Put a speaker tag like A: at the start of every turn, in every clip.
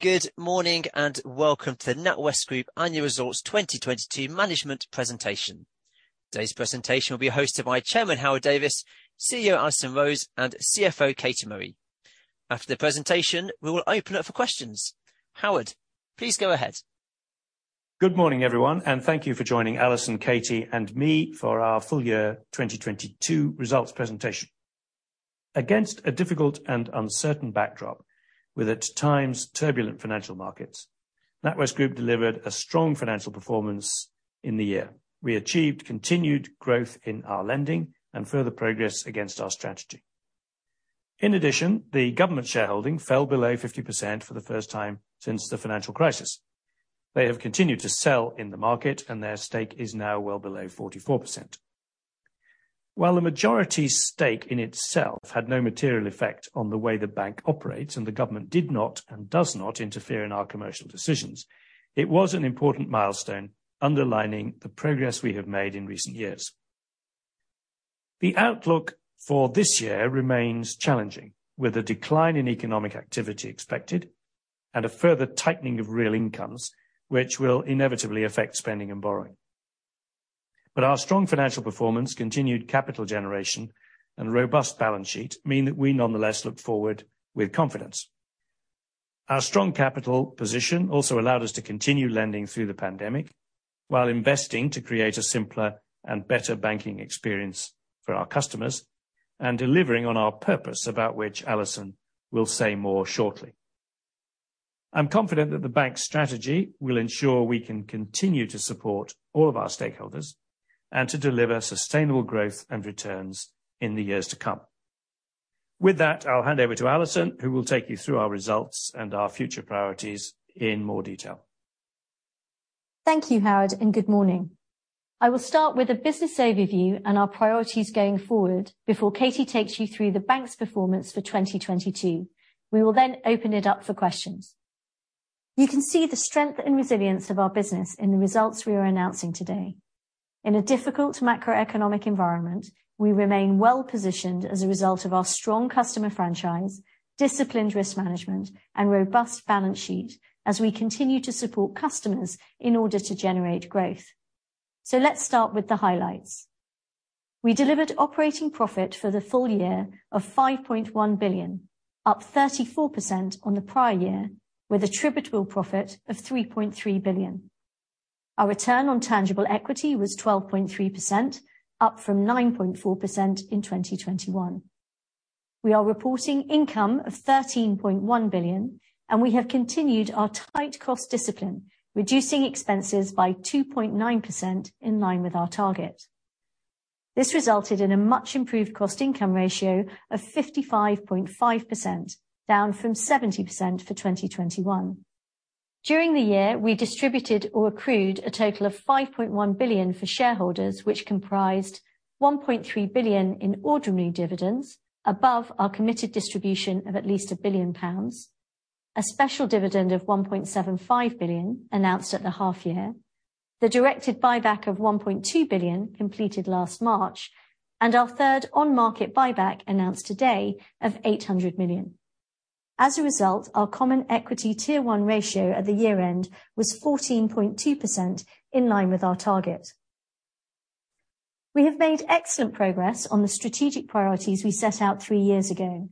A: Good morning, and welcome to the NatWest Group Annual Results 2022 management presentation. Today's presentation will be hosted by Chairman Howard Davies, CEO Alison Rose, and CFO Katie Murray. After the presentation, we will open up for questions. Howard, please go ahead.
B: Good morning, everyone, thank you for joining Alison, Katie, and me for our full year 2022 results presentation. Against a difficult and uncertain backdrop, with at times turbulent financial markets, NatWest Group delivered a strong financial performance in the year. We achieved continued growth in our lending and further progress against our strategy. In addition, the government shareholding fell below 50% for the first time since the financial crisis. They have continued to sell in the market, their stake is now well below 44%. While the majority stake in itself had no material effect on the way the bank operates and the government did not and does not interfere in our commercial decisions, it was an important milestone underlining the progress we have made in recent years. The outlook for this year remains challenging, with a decline in economic activity expected and a further tightening of real incomes, which will inevitably affect spending and borrowing. Our strong financial performance, continued capital generation, and robust balance sheet mean that we nonetheless look forward with confidence. Our strong capital position also allowed us to continue lending through the pandemic while investing to create a simpler and better banking experience for our customers and delivering on our purpose, about which Alison will say more shortly. I'm confident that the bank's strategy will ensure we can continue to support all of our stakeholders and to deliver sustainable growth and returns in the years to come. With that, I'll hand over to Alison, who will take you through our results and our future priorities in more detail.
C: Thank you, Howard. Good morning. I will start with a business overview and our priorities going forward before Katie takes you through the bank's performance for 2022. We will open it up for questions. You can see the strength and resilience of our business in the results we are announcing today. In a difficult macroeconomic environment, we remain well-positioned as a result of our strong customer franchise, disciplined risk management, and robust balance sheet as we continue to support customers in order to generate growth. Let's start with the highlights. We delivered operating profit for the full year of 5.1 billion, up 34% on the prior year, with attributable profit of 3.3 billion. Our return on tangible equity was 12.3%, up from 9.4% in 2021. We are reporting income of 13.1 billion, and we have continued our tight cost discipline, reducing expenses by 2.9% in line with our target. This resulted in a much improved cost income ratio of 55.5%, down from 70% for 2021. During the year, we distributed or accrued a total of 5.1 billion for shareholders, which comprised 1.3 billion in ordinary dividends above our committed distribution of at least 1 billion pounds, a special dividend of 1.75 billion announced at the half year, the directed buyback of 1.2 billion completed last March, and our third on-market buyback announced today of 800 million. As a result, our common equity tier one ratio at the year-end was 14.2% in line with our target. We have made excellent progress on the strategic priorities we set out three years ago.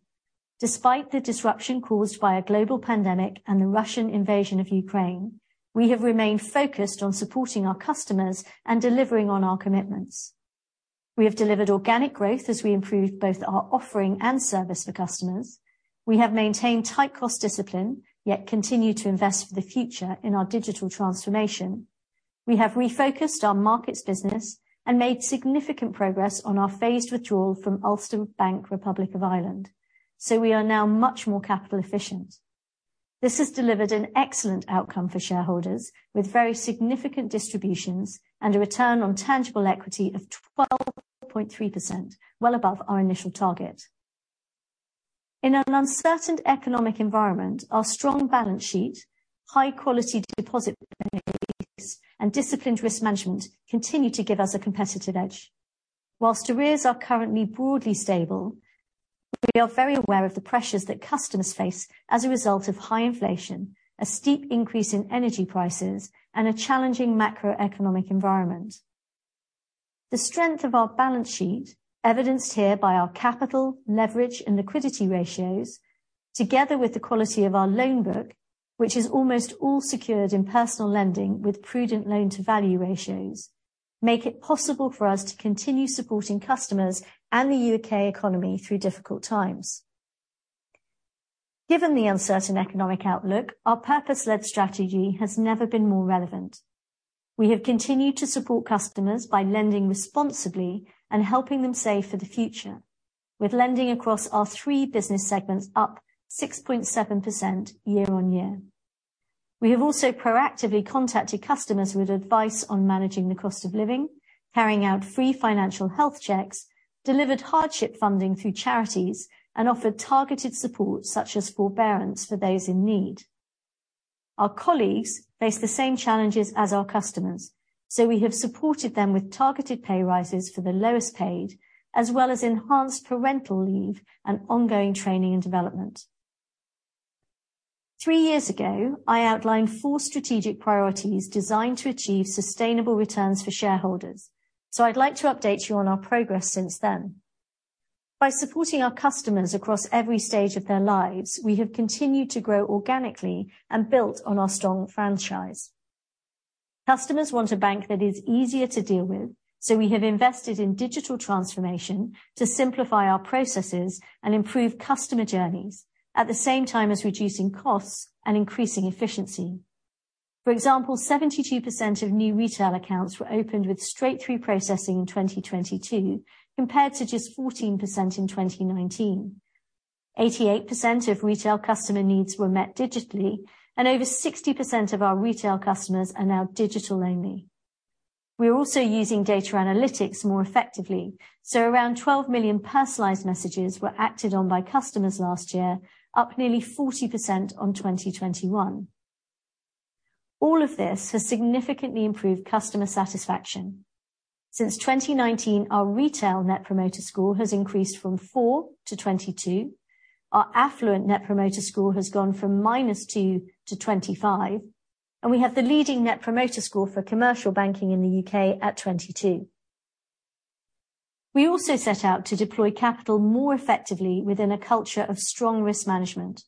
C: Despite the disruption caused by a global pandemic and the Russian invasion of Ukraine, we have remained focused on supporting our customers and delivering on our commitments. We have delivered organic growth as we improve both our offering and service for customers. We have maintained tight cost discipline, yet continue to invest for the future in our digital transformation. We have refocused our markets business and made significant progress on our phased withdrawal from Ulster Bank, Republic of Ireland. We are now much more capital efficient. This has delivered an excellent outcome for shareholders with very significant distributions and a return on tangible equity of 12.3%, well above our initial target. In an uncertain economic environment, our strong balance sheet, high quality deposit and disciplined risk management continue to give us a competitive edge. While arrears are currently broadly stable, we are very aware of the pressures that customers face as a result of high inflation, a steep increase in energy prices, and a challenging macroeconomic environment. The strength of our balance sheet, evidenced here by our capital, leverage, and liquidity ratios, together with the quality of our loan book, which is almost all secured in personal lending with prudent loan-to-value ratios, make it possible for us to continue supporting customers and the U.K. economy through difficult times. Given the uncertain economic outlook, our purpose-led strategy has never been more relevant. We have continued to support customers by lending responsibly and helping them save for the future with lending across our three business segments up 6.7% year-over-year. We have also proactively contacted customers with advice on managing the cost of living, carrying out free financial health checks, delivered hardship funding through charities, and offered targeted support such as forbearance for those in need. Our colleagues face the same challenges as our customers. We have supported them with targeted pay rises for the lowest paid, as well as enhanced parental leave and ongoing training and development. Three years ago, I outlined four strategic priorities designed to achieve sustainable returns for shareholders. I'd like to update you on our progress since then. By supporting our customers across every stage of their lives, we have continued to grow organically and built on our strong franchise. Customers want a bank that is easier to deal with, so we have invested in digital transformation to simplify our processes and improve customer journeys at the same time as reducing costs and increasing efficiency. For example, 72% of new retail accounts were opened with straight through processing in 2022 compared to just 14% in 2019. 88% of retail customer needs were met digitally, and over 60% of our retail customers are now digital only. We are also using data analytics more effectively, so around 12 million personalized messages were acted on by customers last year, up nearly 40% on 2021. All of this has significantly improved customer satisfaction. Since 2019 our retail Net Promoter Score has increased from 4 to 22. Our affluent Net Promoter Score has gone from -2 to 25, and we have the leading Net Promoter Score for commercial banking in the UK at 22. We also set out to deploy capital more effectively within a culture of strong risk management.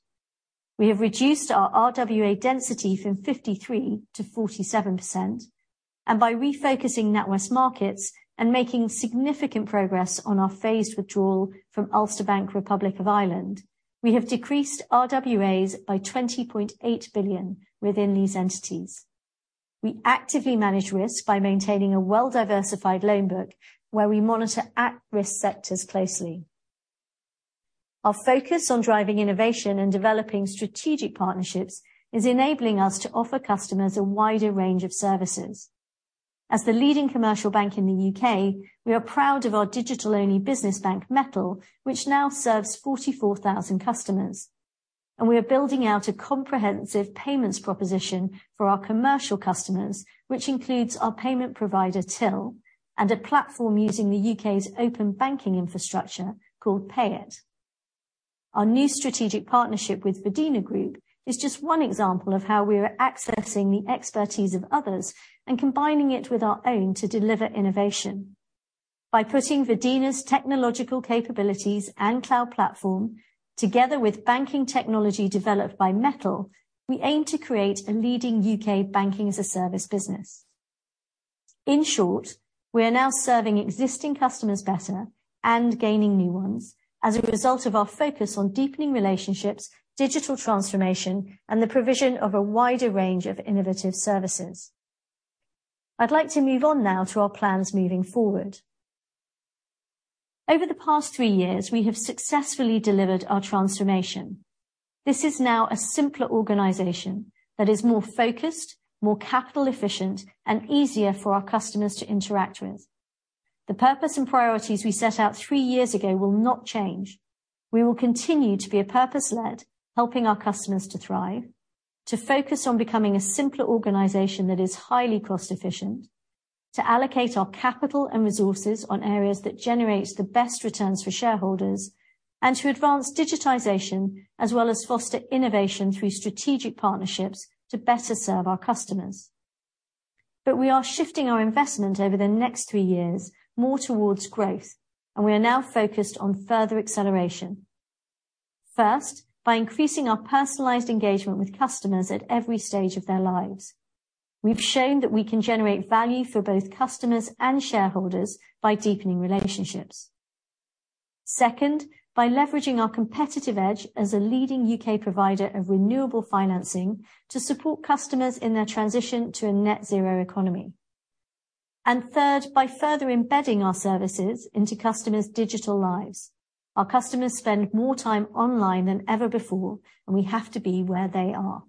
C: We have reduced our RWA density from 53% to 47%, and by refocusing NatWest Markets and making significant progress on our phased withdrawal from Ulster Bank, Republic of Ireland, we have decreased RWAs by 20.8 billion within these entities. We actively manage risk by maintaining a well-diversified loan book where we monitor at-risk sectors closely. Our focus on driving innovation and developing strategic partnerships is enabling us to offer customers a wider range of services. As the leading commercial bank in the UK, we are proud of our digital only business bank Mettle, which now serves 44,000 customers. We are building out a comprehensive payments proposition for our commercial customers, which includes our payment provider Tyl and a platform using the U.K.'s open banking infrastructure called Payit. Our new strategic partnership with Vodeno Group is just one example of how we are accessing the expertise of others and combining it with our own to deliver innovation. By putting Vodeno's technological capabilities and cloud platform together with banking technology developed by Mettle, we aim to create a leading U.K. banking as a service business. In short, we are now serving existing customers better and gaining new ones as a result of our focus on deepening relationships, digital transformation and the provision of a wider range of innovative services. I'd like to move on now to our plans moving forward. Over the past 3 years, we have successfully delivered our transformation. This is now a simpler organization that is more focused, more capital efficient and easier for our customers to interact with. The purpose and priorities we set out three years ago will not change. We will continue to be a purpose led, helping our customers to thrive, to focus on becoming a simpler organization that is highly cost efficient, to allocate our capital and resources on areas that generate the best returns for shareholders and to advance digitization as well as foster innovation through strategic partnerships to better serve our customers. We are shifting our investment over the next three years more towards growth, and we are now focused on further acceleration. First, by increasing our personalized engagement with customers at every stage of their lives. We've shown that we can generate value for both customers and shareholders by deepening relationships. Second, by leveraging our competitive edge as a leading UK provider of renewable financing to support customers in their transition to a net zero economy. Third, by further embedding our services into customers' digital lives. Our customers spend more time online than ever before, and we have to be where they are.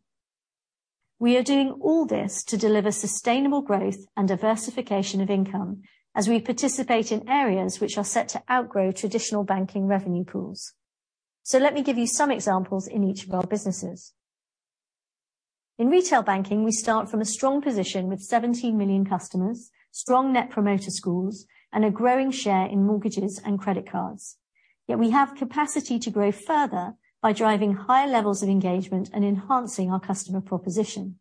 C: We are doing all this to deliver sustainable growth and diversification of income as we participate in areas which are set to outgrow traditional banking revenue pools. Let me give you some examples in each of our businesses. In retail banking, we start from a strong position with 17 million customers, strong Net Promoter Scores and a growing share in mortgages and credit cards. Yet we have capacity to grow further by driving higher levels of engagement and enhancing our customer proposition.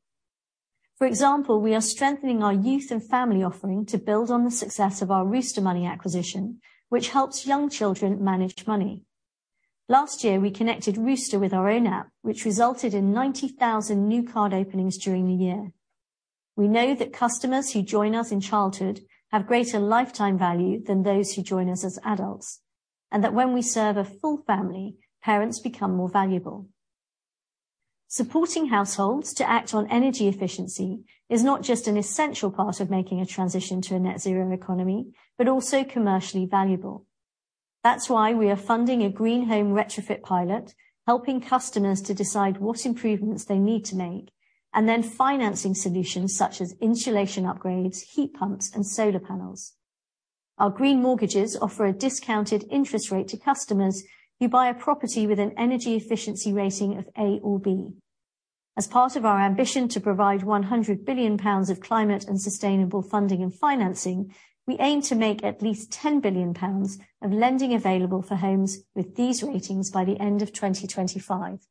C: For example, we are strengthening our youth and family offering to build on the success of our RoosterMoney acquisition, which helps young children manage money. Last year, we connected Rooster with our own app, which resulted in 90,000 new card openings during the year. We know that customers who join us in childhood have greater lifetime value than those who join us as adults, and that when we serve a full family, parents become more valuable. Supporting households to act on energy efficiency is not just an essential part of making a transition to a net zero economy, but also commercially valuable. That's why we are funding a green home retrofit pilot, helping customers to decide what improvements they need to make, and then financing solutions such as insulation upgrades, heat pumps and solar panels. Our green mortgages offer a discounted interest rate to customers who buy a property with an energy efficiency rating of A or B. As part of our ambition to provide 100 billion pounds of climate and sustainable funding and financing, we aim to make at least 10 billion pounds of lending available for homes with these ratings by the end of 2025,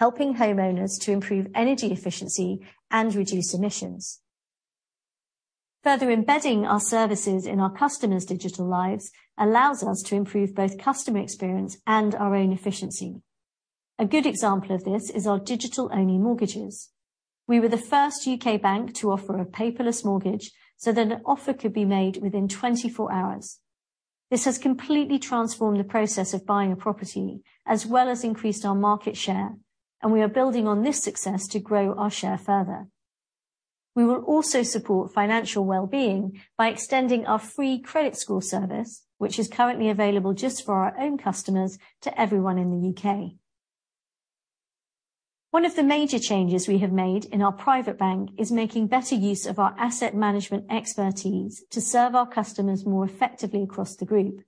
C: helping homeowners to improve energy efficiency and reduce emissions. Further embedding our services in our customers' digital lives allows us to improve both customer experience and our own efficiency. A good example of this is our digital-only mortgages. We were the first UK bank to offer a paperless mortgage so that an offer could be made within 24 hours. This has completely transformed the process of buying a property, as well as increased our market share. We are building on this success to grow our share further. We will also support financial wellbeing by extending our free credit score service, which is currently available just for our own customers to everyone in the UK. One of the major changes we have made in our private bank is making better use of our asset management expertise to serve our customers more effectively across the group.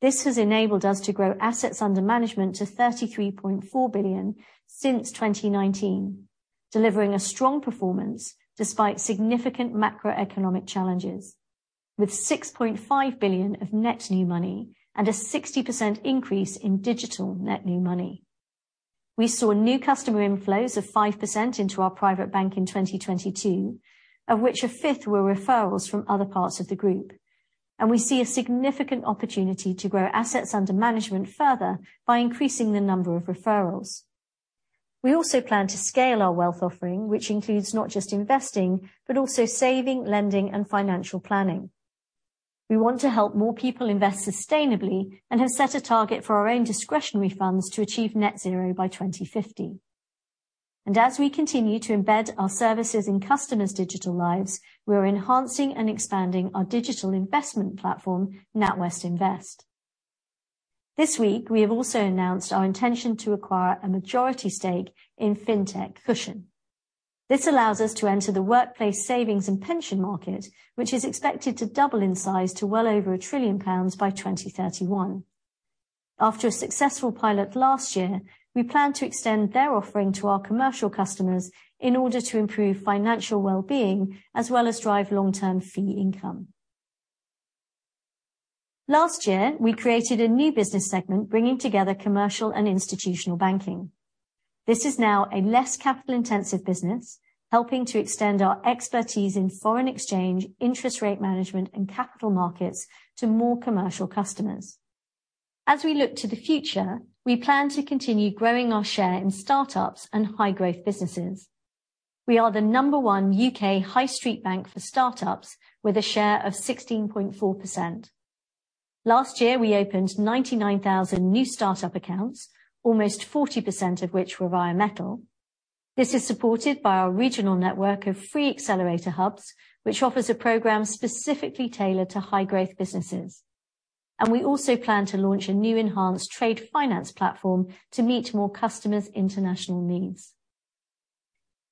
C: This has enabled us to grow assets under management to 33.4 billion since 2019, delivering a strong performance despite significant macroeconomic challenges. With 6.5 billion of net new money and a 60% increase in digital net new money. We saw new customer inflows of 5% into our private bank in 2022, of which a fifth were referrals from other parts of the group. We see a significant opportunity to grow assets under management further by increasing the number of referrals. We also plan to scale our wealth offering, which includes not just investing, but also saving, lending, and financial planning. We want to help more people invest sustainably and have set a target for our own discretionary funds to achieve net zero by 2050. As we continue to embed our services in customers' digital lives, we are enhancing and expanding our digital investment platform, NatWest Invest. This week, we have also announced our intention to acquire a majority stake in fintech Cushon. This allows us to enter the workplace savings and pension market, which is expected to double in size to well over 1 trillion pounds by 2031. After a successful pilot last year, we plan to extend their offering to our commercial customers in order to improve financial wellbeing, as well as drive long-term fee income. Last year, we created a new business segment, bringing together commercial and institutional banking. This is now a less capital-intensive business, helping to extend our expertise in foreign exchange, interest rate management, and capital markets to more commercial customers. As we look to the future, we plan to continue growing our share in start-ups and high-growth businesses. We are the number one U.K. high street bank for start-ups, with a share of 16.4%. Last year, we opened 99,000 new start-up accounts, almost 40% of which were via Mettle. This is supported by our regional network of free accelerator hubs, which offers a program specifically tailored to high-growth businesses. We also plan to launch a new enhanced trade finance platform to meet more customers' international needs.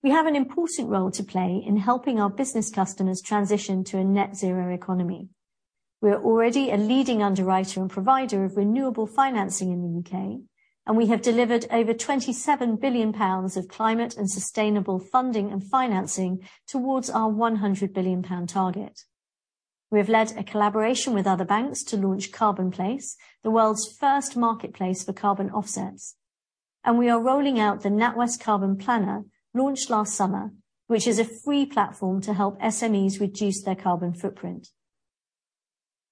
C: We have an important role to play in helping our business customers transition to a net zero economy. We are already a leading underwriter and provider of renewable financing in the U.K., and we have delivered over 27 billion pounds of climate and sustainable funding and financing towards our 100 billion pound target. We have led a collaboration with other banks to launch Carbonplace, the world's first marketplace for carbon offsets, and we are rolling out the NatWest Carbon Planner, launched last summer, which is a free platform to help SMEs reduce their carbon footprint.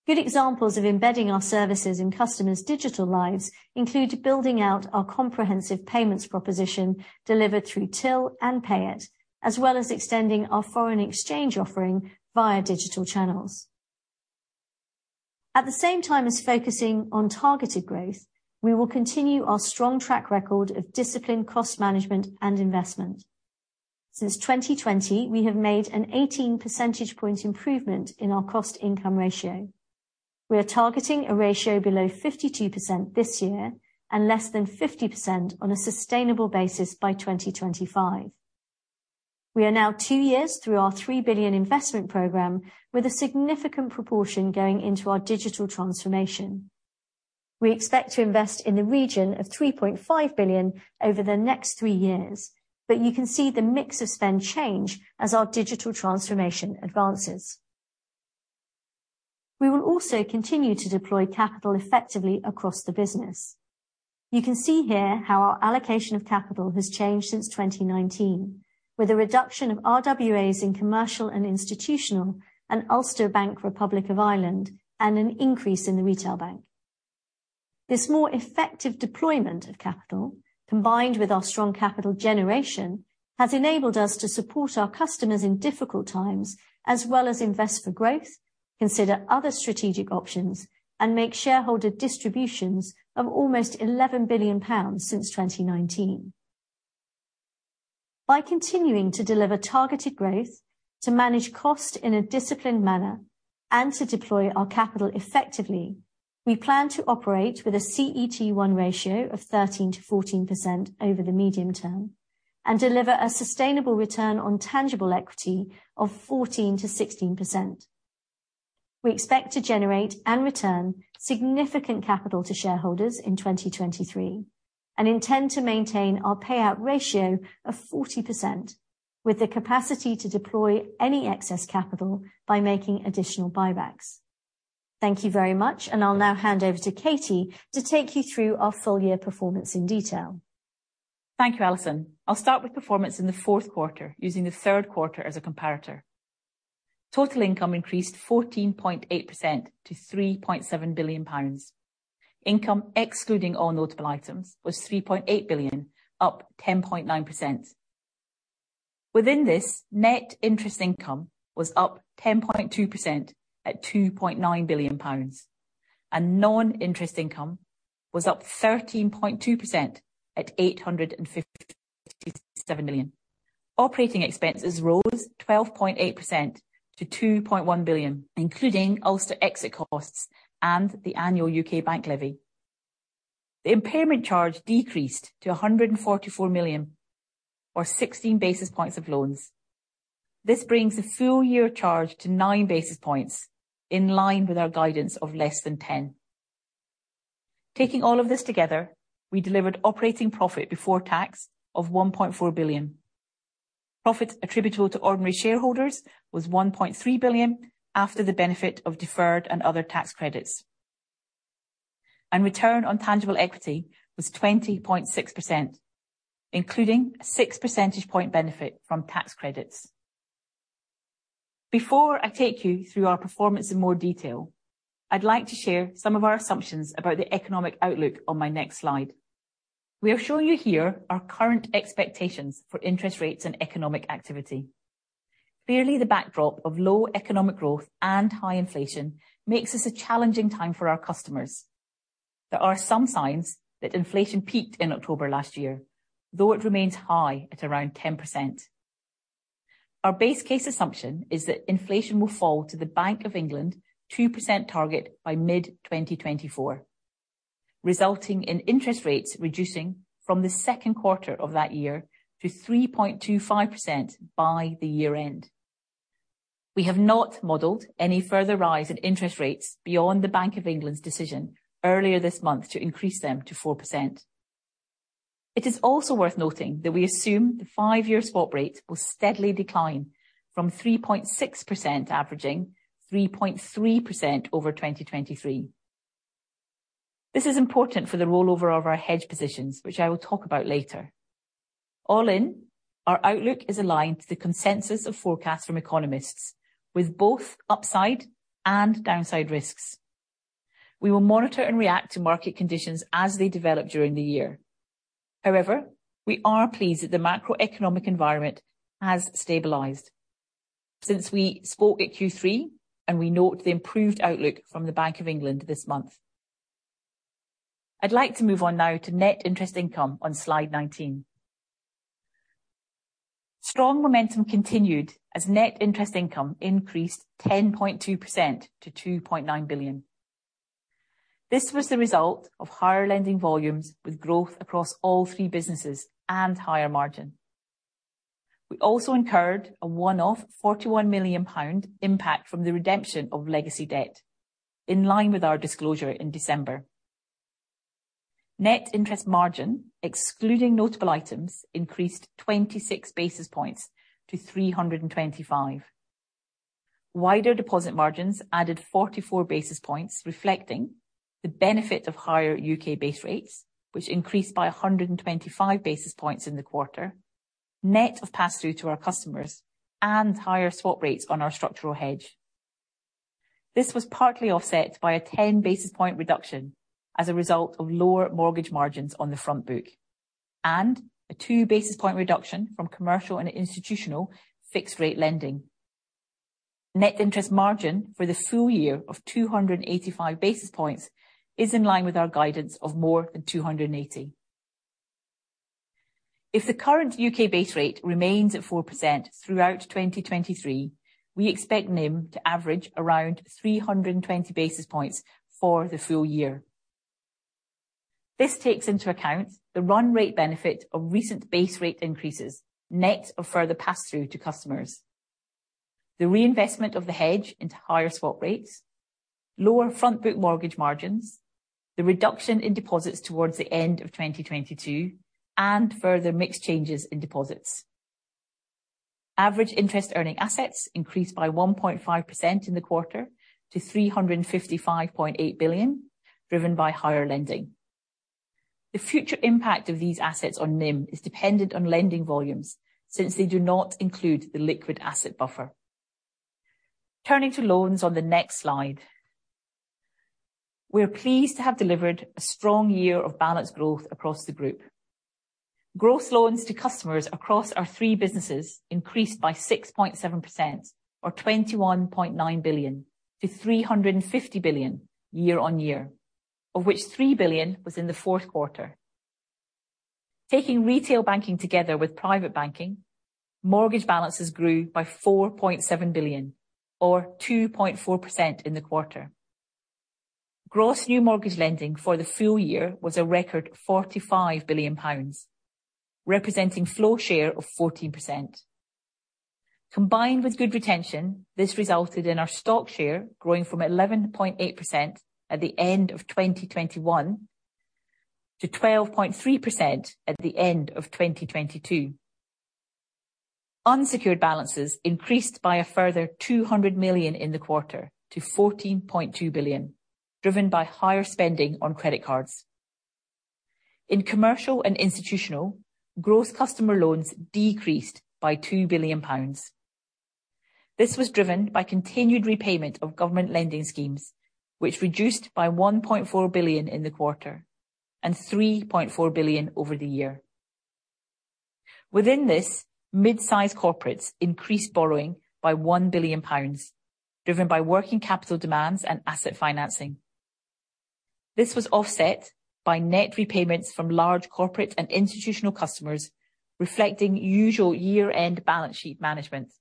C: Good examples of embedding our services in customers' digital lives include building out our comprehensive payments proposition delivered through Tyl and Payit, as well as extending our foreign exchange offering via digital channels. At the same time as focusing on targeted growth, we will continue our strong track record of disciplined cost management and investment. Since 2020, we have made an 18 percentage point improvement in our cost-income ratio. We are targeting a ratio below 52% this year and less than 50% on a sustainable basis by 2025. We are now two years through our 3 billion investment program, with a significant proportion going into our digital transformation. We expect to invest in the region of 3.5 billion over the next three years, you can see the mix of spend change as our digital transformation advances. We will also continue to deploy capital effectively across the business. You can see here how our allocation of capital has changed since 2019, with a reduction of RWAs in commercial and institutional and Ulster Bank Republic of Ireland, and an increase in the retail bank. This more effective deployment of capital, combined with our strong capital generation, has enabled us to support our customers in difficult times, as well as invest for growth, consider other strategic options, and make shareholder distributions of almost 11 billion pounds since 2019. By continuing to deliver targeted growth, to manage cost in a disciplined manner, and to deploy our capital effectively, we plan to operate with a CET1 ratio of 13%-14% over the medium term and deliver a sustainable return on tangible equity of 14%-16%. We expect to generate and return significant capital to shareholders in 2023 and intend to maintain our payout ratio of 40% with the capacity to deploy any excess capital by making additional buybacks. Thank you very much, I'll now hand over to Katie to take you through our full year performance in detail.
D: Thank you, Alison. I'll start with performance in the fourth quarter using the third quarter as a comparator. Total income increased 14.8% to 3.7 billion pounds. Income, excluding all notable items, was 3.8 billion, up 10.9%. Within this, net interest income was up 10.2% at 2.9 billion pounds, and non-interest income was up 13.2% at 857 million. Operating expenses rose 12.8% to 2.1 billion, including Ulster exit costs and the annual UK bank levy. The impairment charge decreased to 144 million or 16 basis points of loans. This brings the full year charge to 9 basis points in line with our guidance of less than 10. Taking all of this together, we delivered operating profit before tax of 1.4 billion. Profit attributable to ordinary shareholders was 1.3 billion after the benefit of deferred and other tax credits. Return on tangible equity was 20.6%, including a 6 percentage point benefit from tax credits. Before I take you through our performance in more detail, I'd like to share some of our assumptions about the economic outlook on my next slide. We are showing you here our current expectations for interest rates and economic activity. Clearly, the backdrop of low economic growth and high inflation makes this a challenging time for our customers. There are some signs that inflation peaked in October last year, though it remains high at around 10%. Our base case assumption is that inflation will fall to the Bank of England 2% target by mid-2024, resulting in interest rates reducing from the second quarter of that year to 3.25% by the year-end. We have not modeled any further rise in interest rates beyond the Bank of England's decision earlier this month to increase them to 4%. It is also worth noting that we assume the five-year swap rate will steadily decline from 3.6%, averaging 3.3% over 2023. This is important for the rollover of our hedge positions, which I will talk about later. All in, our outlook is aligned to the consensus of forecasts from economists with both upside and downside risks. We will monitor and react to market conditions as they develop during the year. We are pleased that the macroeconomic environment has stabilized since we spoke at Q3, and we note the improved outlook from the Bank of England this month. I'd like to move on now to net interest income on slide 19. Strong momentum continued as net interest income increased 10.2% to 2.9 billion. This was the result of higher lending volumes with growth across all three businesses and higher margin. We also incurred a one-off 41 million pound impact from the redemption of legacy debt in line with our disclosure in December. Net interest margin, excluding notable items, increased 26 basis points to 325. Wider deposit margins added 44 basis points, reflecting the benefit of higher UK base rates, which increased by 125 basis points in the quarter, net of pass-through to our customers and higher swap rates on our structural hedge. This was partly offset by a 10-basis point reduction as a result of lower mortgage margins on the front book and a 2-basis point reduction from commercial and institutional fixed-rate lending. Net interest margin for the full year of 285 basis points is in line with our guidance of more than 280. If the current UK base rate remains at 4% throughout 2023, we expect NIM to average around 320 basis points for the full year. This takes into account the run rate benefit of recent base rate increases, net of further pass-through to customers. The reinvestment of the hedge into higher swap rates, lower front book mortgage margins, the reduction in deposits towards the end of 2022, and further mix changes in deposits. Average interest earning assets increased by 1.5% in the quarter to 355.8 billion, driven by higher lending. The future impact of these assets on NIM is dependent on lending volumes since they do not include the liquid asset buffer. Turning to loans on the next slide. We are pleased to have delivered a strong year of balanced growth across the group. Gross loans to customers across our three businesses increased by 6.7% or 21.9 billion to 350 billion year-on-year, of which 3 billion was in the fourth quarter. Taking retail banking together with private banking, mortgage balances grew by 4.7 billion or 2.4% in the quarter. Gross new mortgage lending for the full year was a record 45 billion pounds, representing flow share of 14%. Combined with good retention, this resulted in our stock share growing from 11.8% at the end of 2021 to 12.3% at the end of 2022. Unsecured balances increased by a further 200 million in the quarter to 14.2 billion, driven by higher spending on credit cards. In Commercial and Institutional, gross customer loans decreased by 2 billion pounds. This was driven by continued repayment of government lending schemes, which reduced by 1.4 billion in the quarter and 3.4 billion over the year. Within this, mid-sized corporates increased borrowing by 1 billion pounds, driven by working capital demands and asset financing. This was offset by net repayments from large corporate and institutional customers, reflecting usual year-end balance sheet management.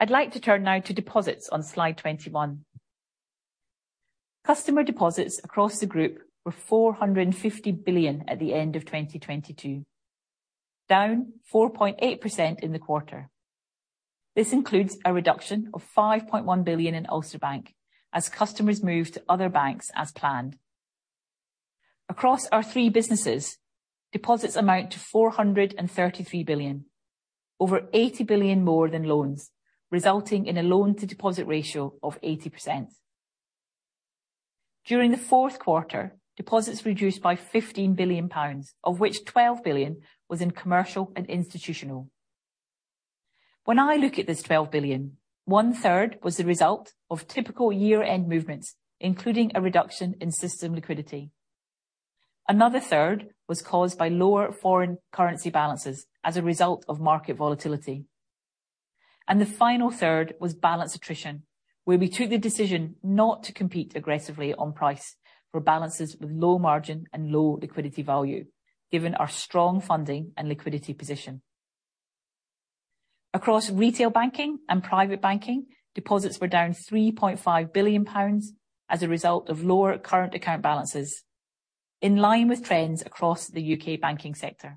D: I'd like to turn now to deposits on slide 21. Customer deposits across the group were 450 billion at the end of 2022, down 4.8% in the quarter. This includes a reduction of 5.1 billion in Ulster Bank as customers moved to other banks as planned. Across our three businesses, deposits amount to 433 billion, over 80 billion more than loans, resulting in a loan-to-deposit ratio of 80%. During the fourth quarter, deposits reduced by 15 billion pounds, of which 12 billion was in Commercial and Institutional. When I look at this 12 billion, one-third was the result of typical year-end movements, including a reduction in system liquidity. Another third was caused by lower foreign currency balances as a result of market volatility. The final third was balance attrition, where we took the decision not to compete aggressively on price for balances with low margin and low liquidity value, given our strong funding and liquidity position. Across Retail Banking and Private Banking, deposits were down 3.5 billion pounds as a result of lower current account balances in line with trends across the U.K. banking sector.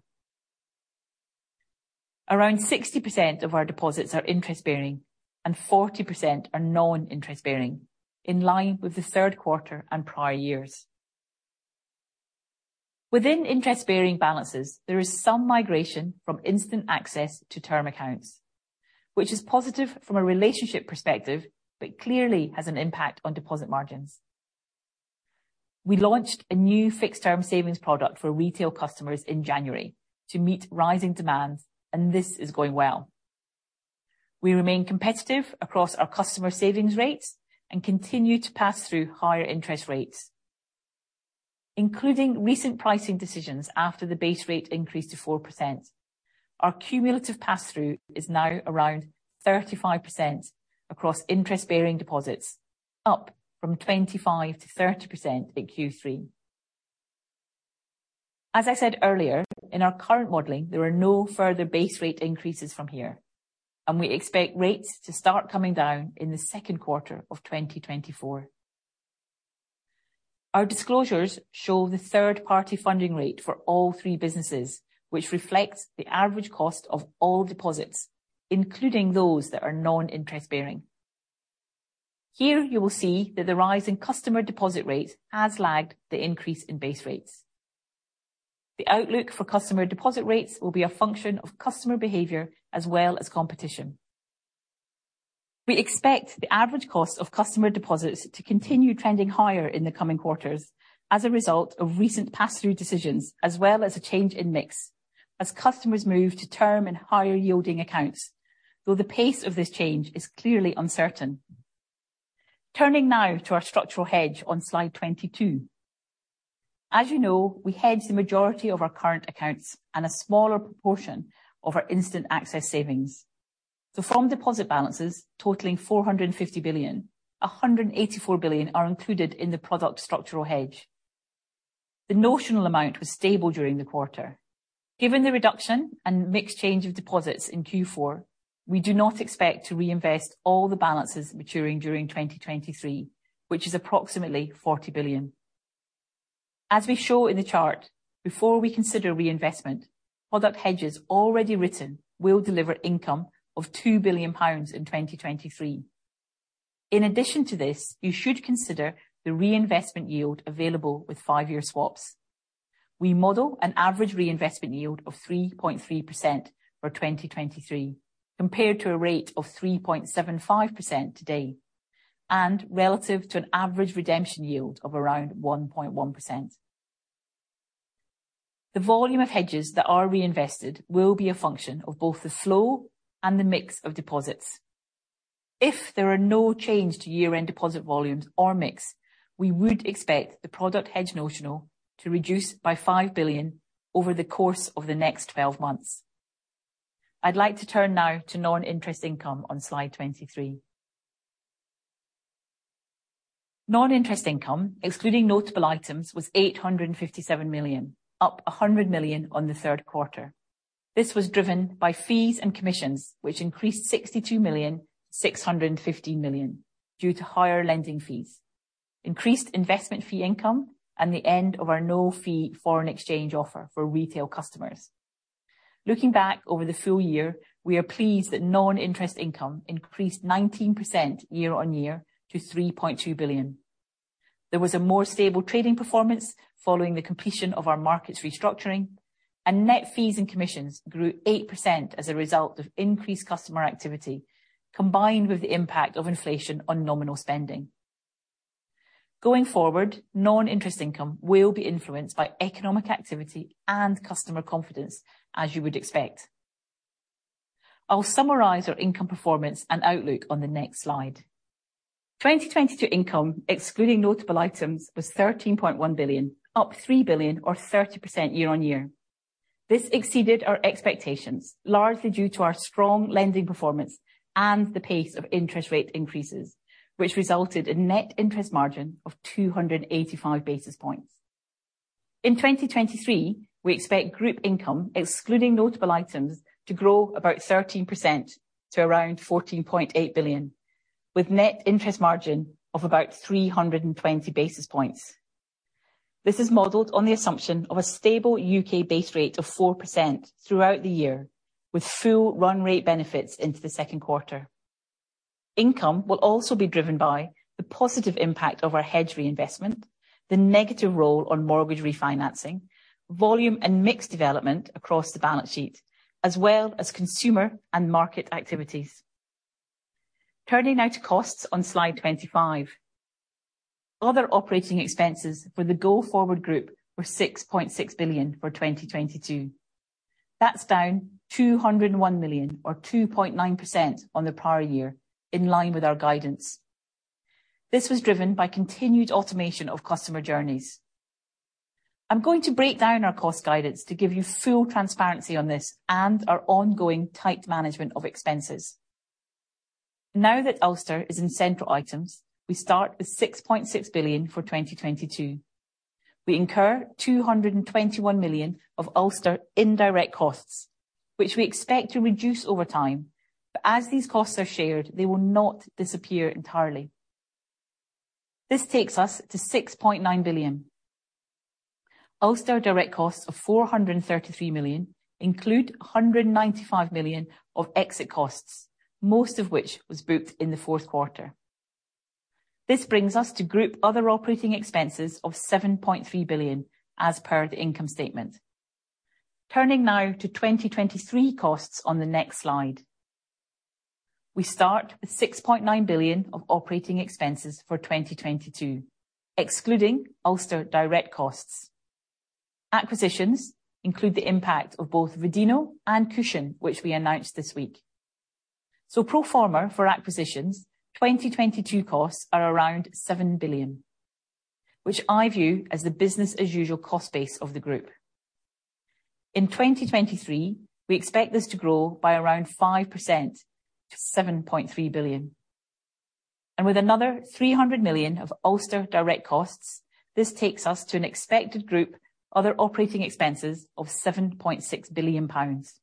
D: Around 60% of our deposits are interest-bearing and 40% are non-interest-bearing, in line with the third quarter and prior years. Within interest-bearing balances, there is some migration from instant access to term accounts, which is positive from a relationship perspective, but clearly has an impact on deposit margins. We launched a new fixed term savings product for retail customers in January to meet rising demands, and this is going well. We remain competitive across our customer savings rates and continue to pass through higher interest rates. Including recent pricing decisions after the base rate increased to 4%, our cumulative pass-through is now around 35% across interest-bearing deposits, up from 25%-30% at Q3. As I said earlier, in our current modeling, there are no further base rate increases from here, and we expect rates to start coming down in the second quarter of 2024. Our disclosures show the third-party funding rate for all three businesses, which reflects the average cost of all deposits, including those that are non-interest-bearing. Here you will see that the rise in customer deposit rates has lagged the increase in base rates. The outlook for customer deposit rates will be a function of customer behavior as well as competition. We expect the average cost of customer deposits to continue trending higher in the coming quarters as a result of recent pass-through decisions, as well as a change in mix as customers move to term and higher yielding accounts, though the pace of this change is clearly uncertain. Turning now to our structural hedge on slide 22. As you know, we hedge the majority of our current accounts and a smaller proportion of our instant access savings. From deposit balances totaling 450 billion, 184 billion are included in the product structural hedge. The notional amount was stable during the quarter. Given the reduction and mix change of deposits in Q4, we do not expect to reinvest all the balances maturing during 2023, which is approximately 40 billion. As we show in the chart, before we consider reinvestment, product hedges already written will deliver income of 2 billion pounds in 2023. In addition to this, you should consider the reinvestment yield available with 5-year swaps. We model an average reinvestment yield of 3.3% for 2023 compared to a rate of 3.75% today and relative to an average redemption yield of around 1.1%. The volume of hedges that are reinvested will be a function of both the flow and the mix of deposits. If there are no change to year-end deposit volumes or mix, we would expect the product hedge notional to reduce by 5 billion over the course of the next 12 months. I'd like to turn now to non-interest income on slide 23. Non-interest income, excluding notable items, was 857 million, up 100 million on the third quarter. This was driven by fees and commissions, which increased 62 million, 650 million due to higher lending fees, increased investment fee income, and the end of our no-fee foreign exchange offer for retail customers. Looking back over the full year, we are pleased that non-interest income increased 19% year-on-year to 3.2 billion. There was a more stable trading performance following the completion of our markets restructuring, net fees and commissions grew 8% as a result of increased customer activity, combined with the impact of inflation on nominal spending. Going forward, non-interest income will be influenced by economic activity and customer confidence, as you would expect. I'll summarize our income performance and outlook on the next slide. 2022 income, excluding notable items, was 13.1 billion, up 3 billion or 30% year-on-year. This exceeded our expectations largely due to our strong lending performance and the pace of interest rate increases, which resulted in net interest margin of 285 basis points. In 2023, we expect group income, excluding notable items, to grow about 13% to around 14.8 billion, with net interest margin of about 320 basis points. This is modeled on the assumption of a stable U.K. base rate of 4% throughout the year, with full run rate benefits into the second quarter. Income will also be driven by the positive impact of our hedge reinvestment, the negative role on mortgage refinancing, volume and mix development across the balance sheet, as well as consumer and market activities. Turning now to costs on slide 25. Other operating expenses for the go-forward group were 6.6 billion for 2022. That's down 201 million or 2.9% on the prior year, in line with our guidance. This was driven by continued automation of customer journeys. I'm going to break down our cost guidance to give you full transparency on this and our ongoing tight management of expenses. Now that Ulster is in central items, we start with 6.6 billion for 2022. We incur 221 million of Ulster indirect costs, which we expect to reduce over time. As these costs are shared, they will not disappear entirely. This takes us to 6.9 billion. Ulster direct costs of 433 million include 195 million of exit costs, most of which was booked in the fourth quarter. This brings us to group other operating expenses of 7.3 billion as per the income statement. Turning now to 2023 costs on the next slide. We start with 6.9 billion of operating expenses for 2022, excluding Ulster direct costs. Acquisitions include the impact of both Vodeno and Cushon, which we announced this week. Pro forma for acquisitions, 2022 costs are around 7 billion, which I view as the business as usual cost base of the group. In 2023, we expect this to grow by around 5% to 7.3 billion. With another 300 million of Ulster direct costs, this takes us to an expected group other operating expenses of 7.6 billion pounds.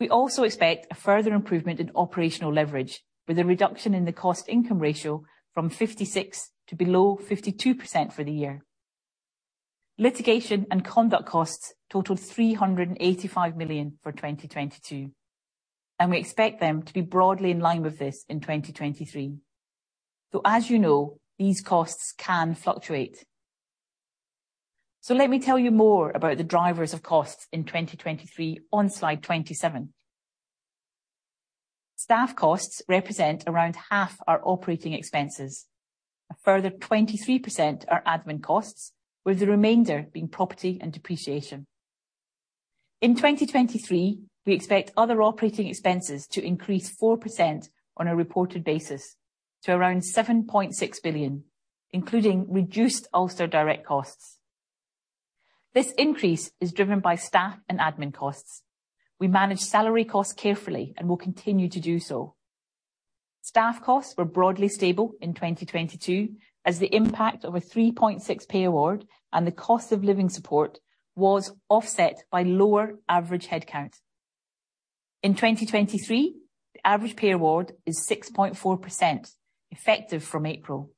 D: We also expect a further improvement in operational leverage with a reduction in the cost income ratio from 56% to below 52% for the year. Litigation and conduct costs totaled 385 million for 2022, and we expect them to be broadly in line with this in 2023. As you know, these costs can fluctuate. Let me tell you more about the drivers of costs in 2023 on slide 27. Staff costs represent around half our operating expenses. A further 23% are admin costs, with the remainder being property and depreciation. In 2023, we expect other operating expenses to increase 4% on a reported basis to around 7.6 billion, including reduced Ulster direct costs. This increase is driven by staff and admin costs. We manage salary costs carefully and will continue to do so. Staff costs were broadly stable in 2022 as the impact of a 3.6% pay award and the cost of living support was offset by lower average headcount. In 2023, the average pay award is 6.4%, effective from April.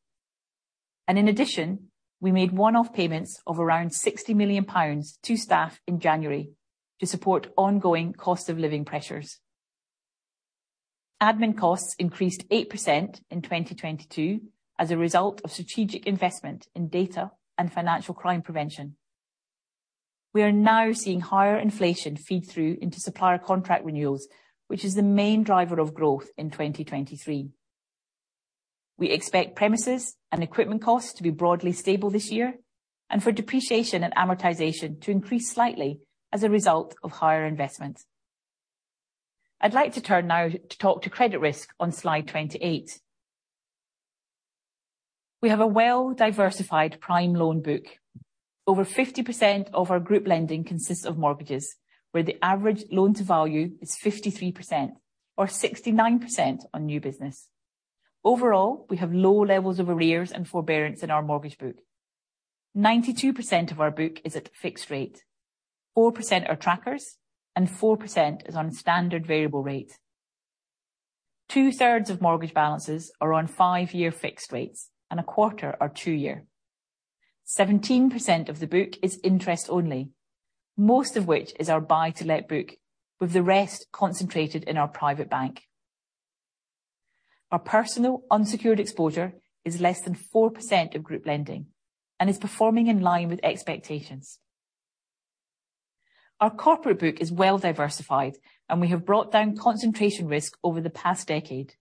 D: In addition, we made one-off payments of around 60 million pounds to staff in January to support ongoing cost of living pressures. Admin costs increased 8% in 2022 as a result of strategic investment in data and financial crime prevention. We are now seeing higher inflation feed through into supplier contract renewals, which is the main driver of growth in 2023. We expect premises and equipment costs to be broadly stable this year and for depreciation and amortization to increase slightly as a result of higher investments. I'd like to turn now to talk to credit risk on slide 28. We have a well-diversified prime loan book. Over 50% of our group lending consists of mortgages, where the average loan to value is 53% or 69% on new business. Overall, we have low levels of arrears and forbearance in our mortgage book. 92% of our book is at fixed rate, 4% are trackers, and 4% is on standard variable rate. Two thirds of mortgage balances are on five-year fixed rates, and a quarter are two year. 17% of the book is interest only, most of which is our buy to let book, with the rest concentrated in our private bank. Our personal unsecured exposure is less than 4% of group lending and is performing in line with expectations. Our corporate book is well diversified, and we have brought down concentration risk over the past decade.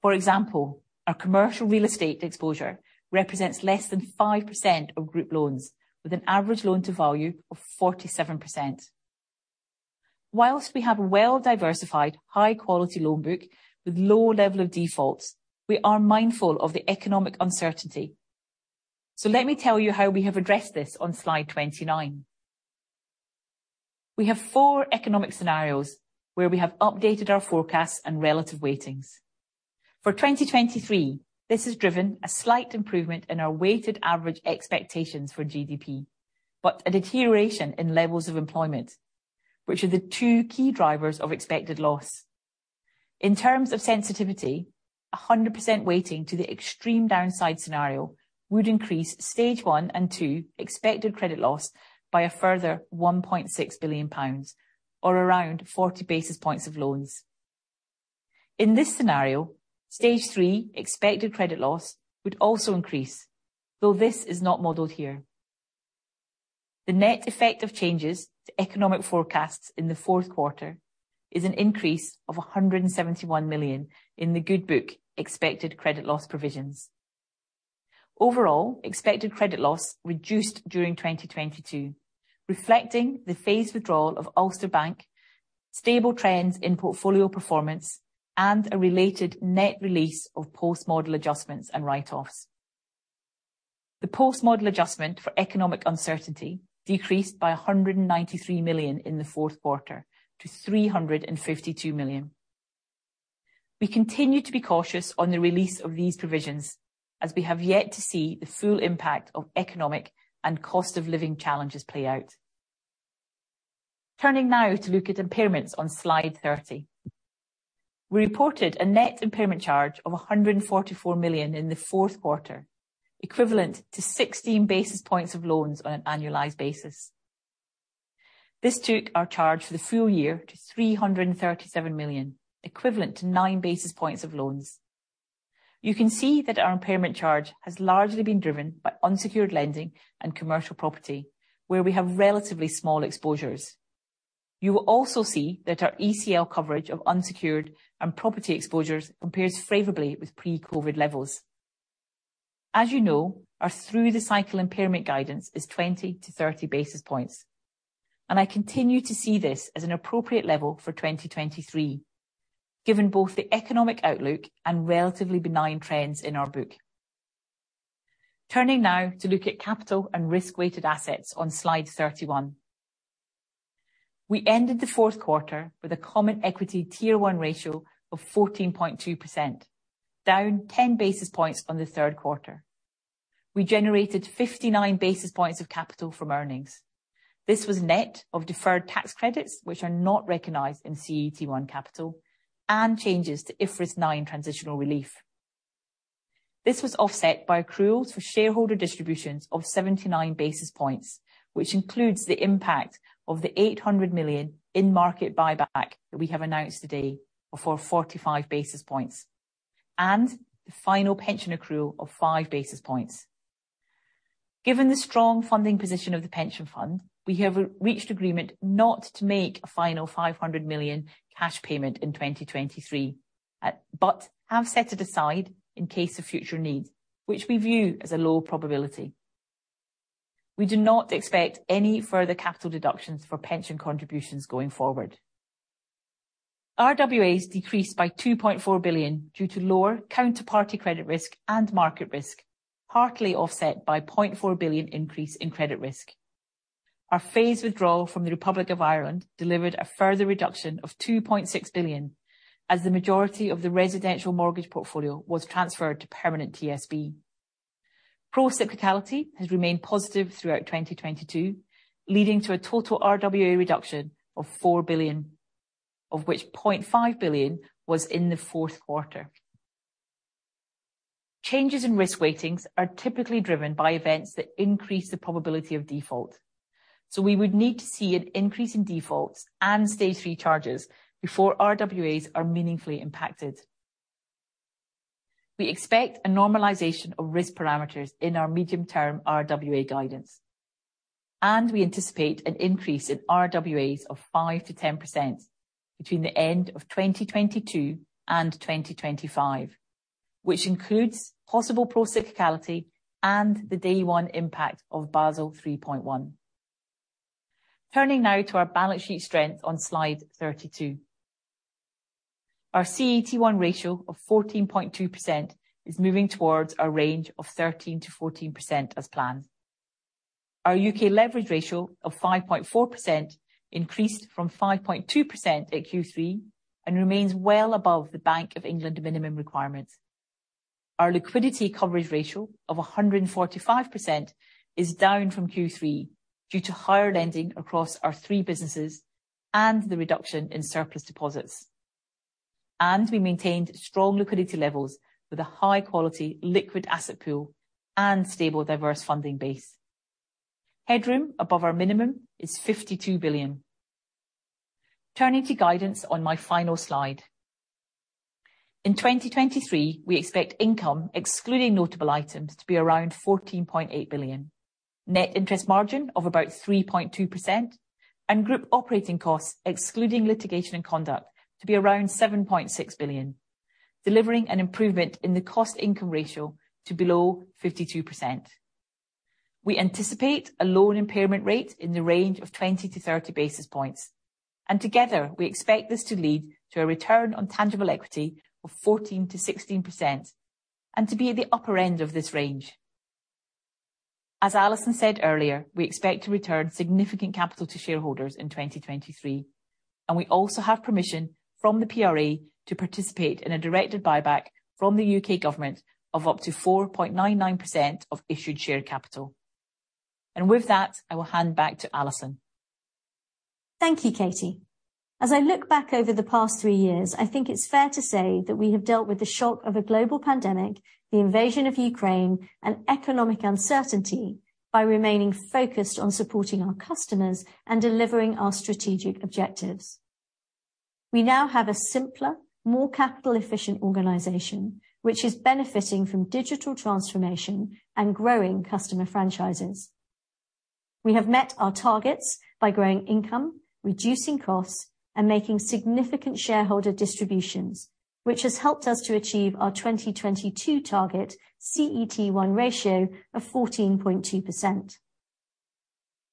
D: For example, our commercial real estate exposure represents less than 5% of group loans, with an average loan to value of 47%. Whilst we have well diversified high quality loan book with low level of defaults, we are mindful of the economic uncertainty. Let me tell you how we have addressed this on slide 29. We have four economic scenarios where we have updated our forecasts and relative weightings. For 2023, this has driven a slight improvement in our weighted average expectations for GDP, but a deterioration in levels of employment, which are the two key drivers of expected loss. In terms of sensitivity, a 100% weighting to the extreme downside scenario would increase stage 1 and 2 expected credit loss by a further 1.6 billion pounds or around 40 basis points of loans. In this scenario, stage 3 expected credit loss would also increase, though this is not modeled here. The net effect of changes to economic forecasts in the fourth quarter is an increase of 171 million in the good book expected credit loss provisions. Overall, expected credit loss reduced during 2022, reflecting the phased withdrawal of Ulster Bank, stable trends in portfolio performance and a related net release of post-model adjustments and write-offs. The post-model adjustment for economic uncertainty decreased by 193 million in the fourth quarter to 352 million. We continue to be cautious on the release of these provisions as we have yet to see the full impact of economic and cost of living challenges play out. Now to look at impairments on slide 30. We reported a net impairment charge of 144 million in the fourth quarter, equivalent to 16 basis points of loans on an annualized basis. This took our charge for the full year to 337 million, equivalent to 9 basis points of loans. You can see that our impairment charge has largely been driven by unsecured lending and commercial property, where we have relatively small exposures. You will also see that our ECL coverage of unsecured and property exposures compares favorably with pre-COVID levels. As you know, our through the cycle impairment guidance is 20-30 basis points, and I continue to see this as an appropriate level for 2023, given both the economic outlook and relatively benign trends in our book. Turning now to look at capital and risk weighted assets on slide 31. We ended the fourth quarter with a CET1 ratio of 14.2%, down 10 basis points on the third quarter. We generated 59 basis points of capital from earnings. This was net of deferred tax credits, which are not recognized in CET1 capital and changes to IFRS 9 transitional relief. This was offset by accrual to shareholder distributions of 79 basis points, which includes the impact of the 800 million in market buyback that we have announced today of 445 basis points, and the final pension accrual of 5 basis points. Given the strong funding position of the pension fund, we have reached agreement not to make a final 500 million cash payment in 2023, but have set it aside in case of future needs, which we view as a low probability. We do not expect any further capital deductions for pension contributions going forward. RWAs decreased by 2.4 billion due to lower counterparty credit risk and market risk, partly offset by 0.4 billion increase in credit risk. Our phased withdrawal from the Republic of Ireland delivered a further reduction of 2.6 billion as the majority of the residential mortgage portfolio was transferred to Permanent TSB. Pro-cyclicality has remained positive throughout 2022, leading to a total RWA reduction of 4 billion, of which 0.5 billion was in the fourth quarter. Changes in risk weightings are typically driven by events that increase the probability of default. We would need to see an increase in defaults and stage three charges before RWAs are meaningfully impacted. We expect a normalization of risk parameters in our medium-term RWA guidance, and we anticipate an increase in RWAs of 5%-10% between the end of 2022 and 2025, which includes possible pro-cyclicality and the day one impact of Basel 3.1. Turning now to our balance sheet strength on slide 32. Our CET1 ratio of 14.2% is moving towards a range of 13%-14% as planned. Our U.K. leverage ratio of 5.4% increased from 5.2% at Q3 and remains well above the Bank of England minimum requirements. Our liquidity coverage ratio of 145% is down from Q3 due to higher lending across our three businesses and the reduction in surplus deposits. We maintained strong liquidity levels with a high quality liquid asset pool and stable diverse funding base. Headroom above our minimum is 52 billion. Turning to guidance on my final slide. In 2023, we expect income excluding notable items to be around 14.8 billion. Net interest margin of about 3.2%. Group operating costs excluding litigation and conduct to be around 7.6 billion, delivering an improvement in the cost income ratio to below 52%. We anticipate a loan impairment rate in the range of 20 to 30 basis points. Together, we expect this to lead to a return on tangible equity of 14%-16% and to be at the upper end of this range. As Alison said earlier, we expect to return significant capital to shareholders in 2023. We also have permission from the PRA to participate in a directed buyback from the U.K. government of up to 4.99% of issued share capital. With that, I will hand back to Alison.
C: Thank you, Katie. As I look back over the past three years, I think it's fair to say that we have dealt with the shock of a global pandemic, the invasion of Ukraine and economic uncertainty by remaining focused on supporting our customers and delivering our strategic objectives. We now have a simpler, more capital efficient organization, which is benefiting from digital transformation and growing customer franchises. We have met our targets by growing income, reducing costs, and making significant shareholder distributions, which has helped us to achieve our 2022 target CET1 ratio of 14.2%.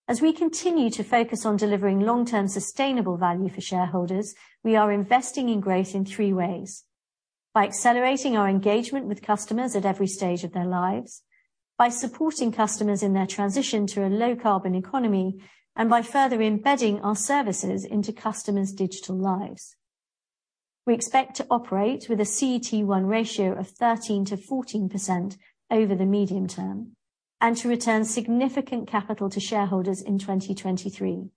C: As we continue to focus on delivering long-term sustainable value for shareholders, we are investing in growth in three ways. By accelerating our engagement with customers at every stage of their lives, by supporting customers in their transition to a low carbon economy, and by further embedding our services into customers' digital lives. We expect to operate with a CET1 ratio of 13%-14% over the medium term and to return significant capital to shareholders in 2023,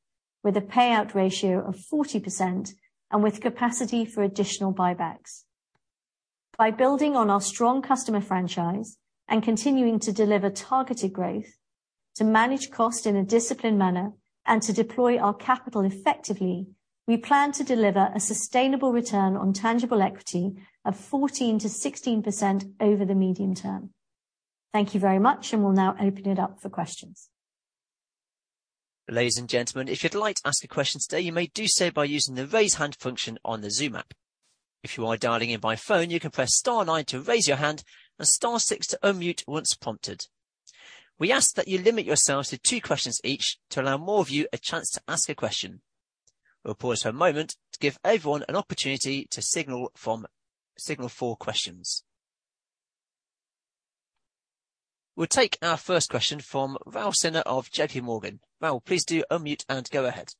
C: with a payout ratio of 40% and with capacity for additional buybacks. By building on our strong customer franchise and continuing to deliver targeted growth, to manage cost in a disciplined manner and to deploy our capital effectively, we plan to deliver a sustainable return on tangible equity of 14%-16% over the medium term. Thank you very much, and we'll now open it up for questions.
A: Ladies and gentlemen, if you'd like to ask a question today, you may do so by using the raise hand function on the Zoom app. If you are dialing in by phone, you can press star nine to raise your hand and star six to unmute once prompted. We ask that you limit yourselves to two questions each to allow more of you a chance to ask a question. We'll pause for a moment to give everyone an opportunity to signal for questions. We'll take our first question from Raul Sinha of JPMorgan. Val, please do unmute and go ahead.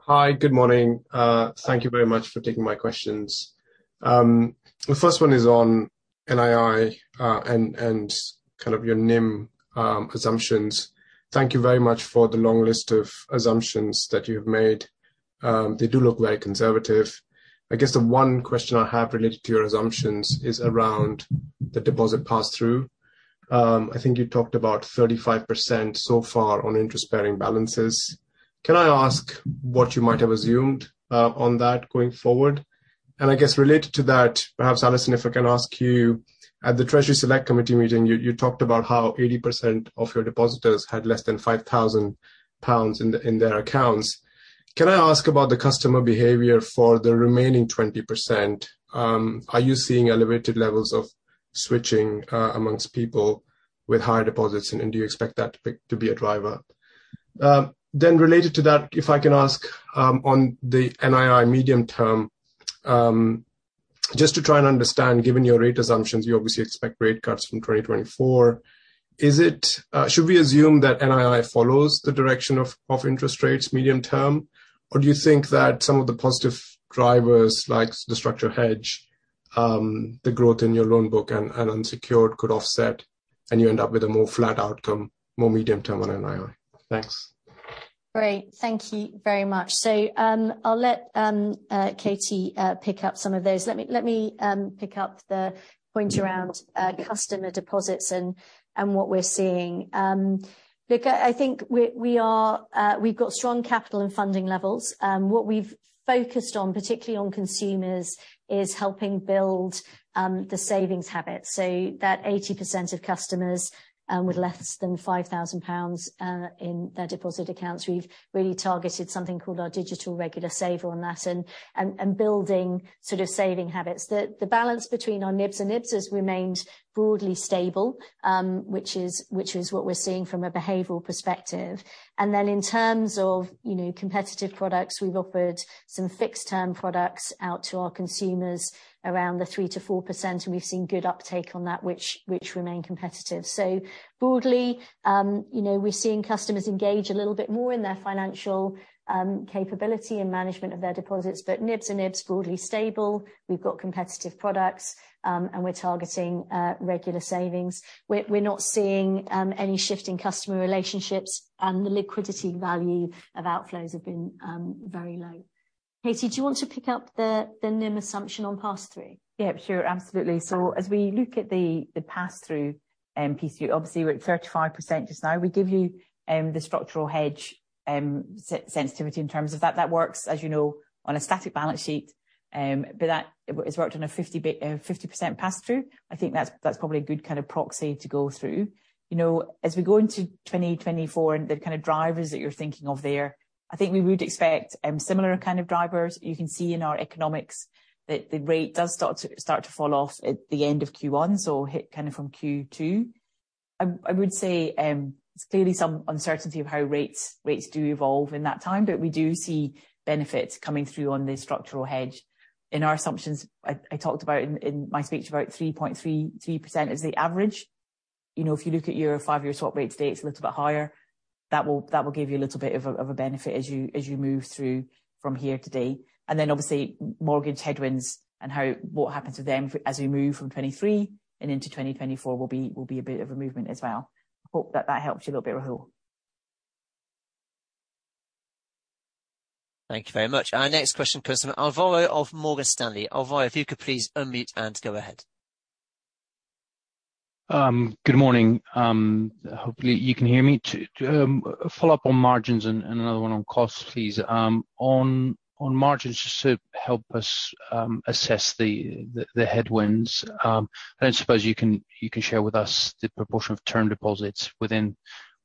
E: Hi. Good morning. Thank you very much for taking my questions. The first one is on NII and kind of your NIM assumptions. Thank you very much for the long list of assumptions that you have made. They do look very conservative. I guess the one question I have related to your assumptions is around the deposit pass-through. I think you talked about 35% so far on interest-bearing balances. Can I ask what you might have assumed on that going forward? I guess related to that, perhaps, Alison, if I can ask you, at the Treasury Select Committee meeting, you talked about how 80% of your depositors had less than 5,000 pounds in their accounts. Can I ask about the customer behavior for the remaining 20%? Are you seeing elevated levels of switching amongst people with higher deposits, and do you expect that to be a driver? Related to that, if I can ask on the NII medium term, just to try and understand, given your rate assumptions, you obviously expect rate cuts from 2024. Is it, should we assume that NII follows the direction of interest rates medium term, or do you think that some of the positive drivers, like the structure hedge, the growth in your loan book and unsecured could offset and you end up with a more flat outcome, more medium term on NII? Thanks.
C: Great. Thank you very much. I'll let Katie pick up some of those. Let me pick up the point around customer deposits and what we're seeing. Look, I think we are, we've got strong capital and funding levels. What we've focused on, particularly on consumers, is helping build the savings habit. That 80% of customers with less than 5,000 pounds in their deposit accounts, we've really targeted something called our Digital Regular Saver on that and building sort of saving habits. The balance between our NIBs and IBAs has remained broadly stable, which is what we're seeing from a behavioral perspective. In terms of, you know, competitive products, we've offered some fixed term products out to our consumers around the 3%-4%, and we've seen good uptake on that, which remain competitive. Broadly, you know, we're seeing customers engage a little bit more in their financial capability and management of their deposits. NIBs and IBAs broadly stable. We've got competitive products, and we're targeting regular savings. We're not seeing any shift in customer relationships, and the liquidity value of outflows have been very low. Katie, do you want to pick up the NIM assumption on pass-through?
D: Yeah, sure, absolutely. As we look at the pass-through, piece, obviously we're at 35% just now. We give you the structural hedge sensitivity in terms of that. That works, as you know, on a static balance sheet, but that is worked on a 50% pass-through. I think that's probably a good kind of proxy to go through. You know, as we go into 2024 and the kind of drivers that you're thinking of there, I think we would expect similar kind of drivers. You can see in our economics that the rate does start to fall off at the end of Q1, so hit kind of from Q2. I would say, there's clearly some uncertainty of how rates do evolve in that time, but we do see benefits coming through on the structural hedge. In our assumptions, I talked about in my speech, about 3.33% is the average. You know, if you look at your 5-year swap rate today, it's a little bit higher. That will give you a little bit of a benefit as you move through from here today. Obviously, what happens with them as we move from 2023 and into 2024 will be a bit of a movement as well. Hope that helps you a little bit, Rahul.
A: Thank you very much. Our next question comes from Alvaro of Morgan Stanley. Alvaro, if you could please unmute and go ahead.
F: Good morning. Hopefully you can hear me. To follow up on margins and another one on costs, please. On margins, just to help us assess the headwinds. I don't suppose you can share with us the proportion of term deposits within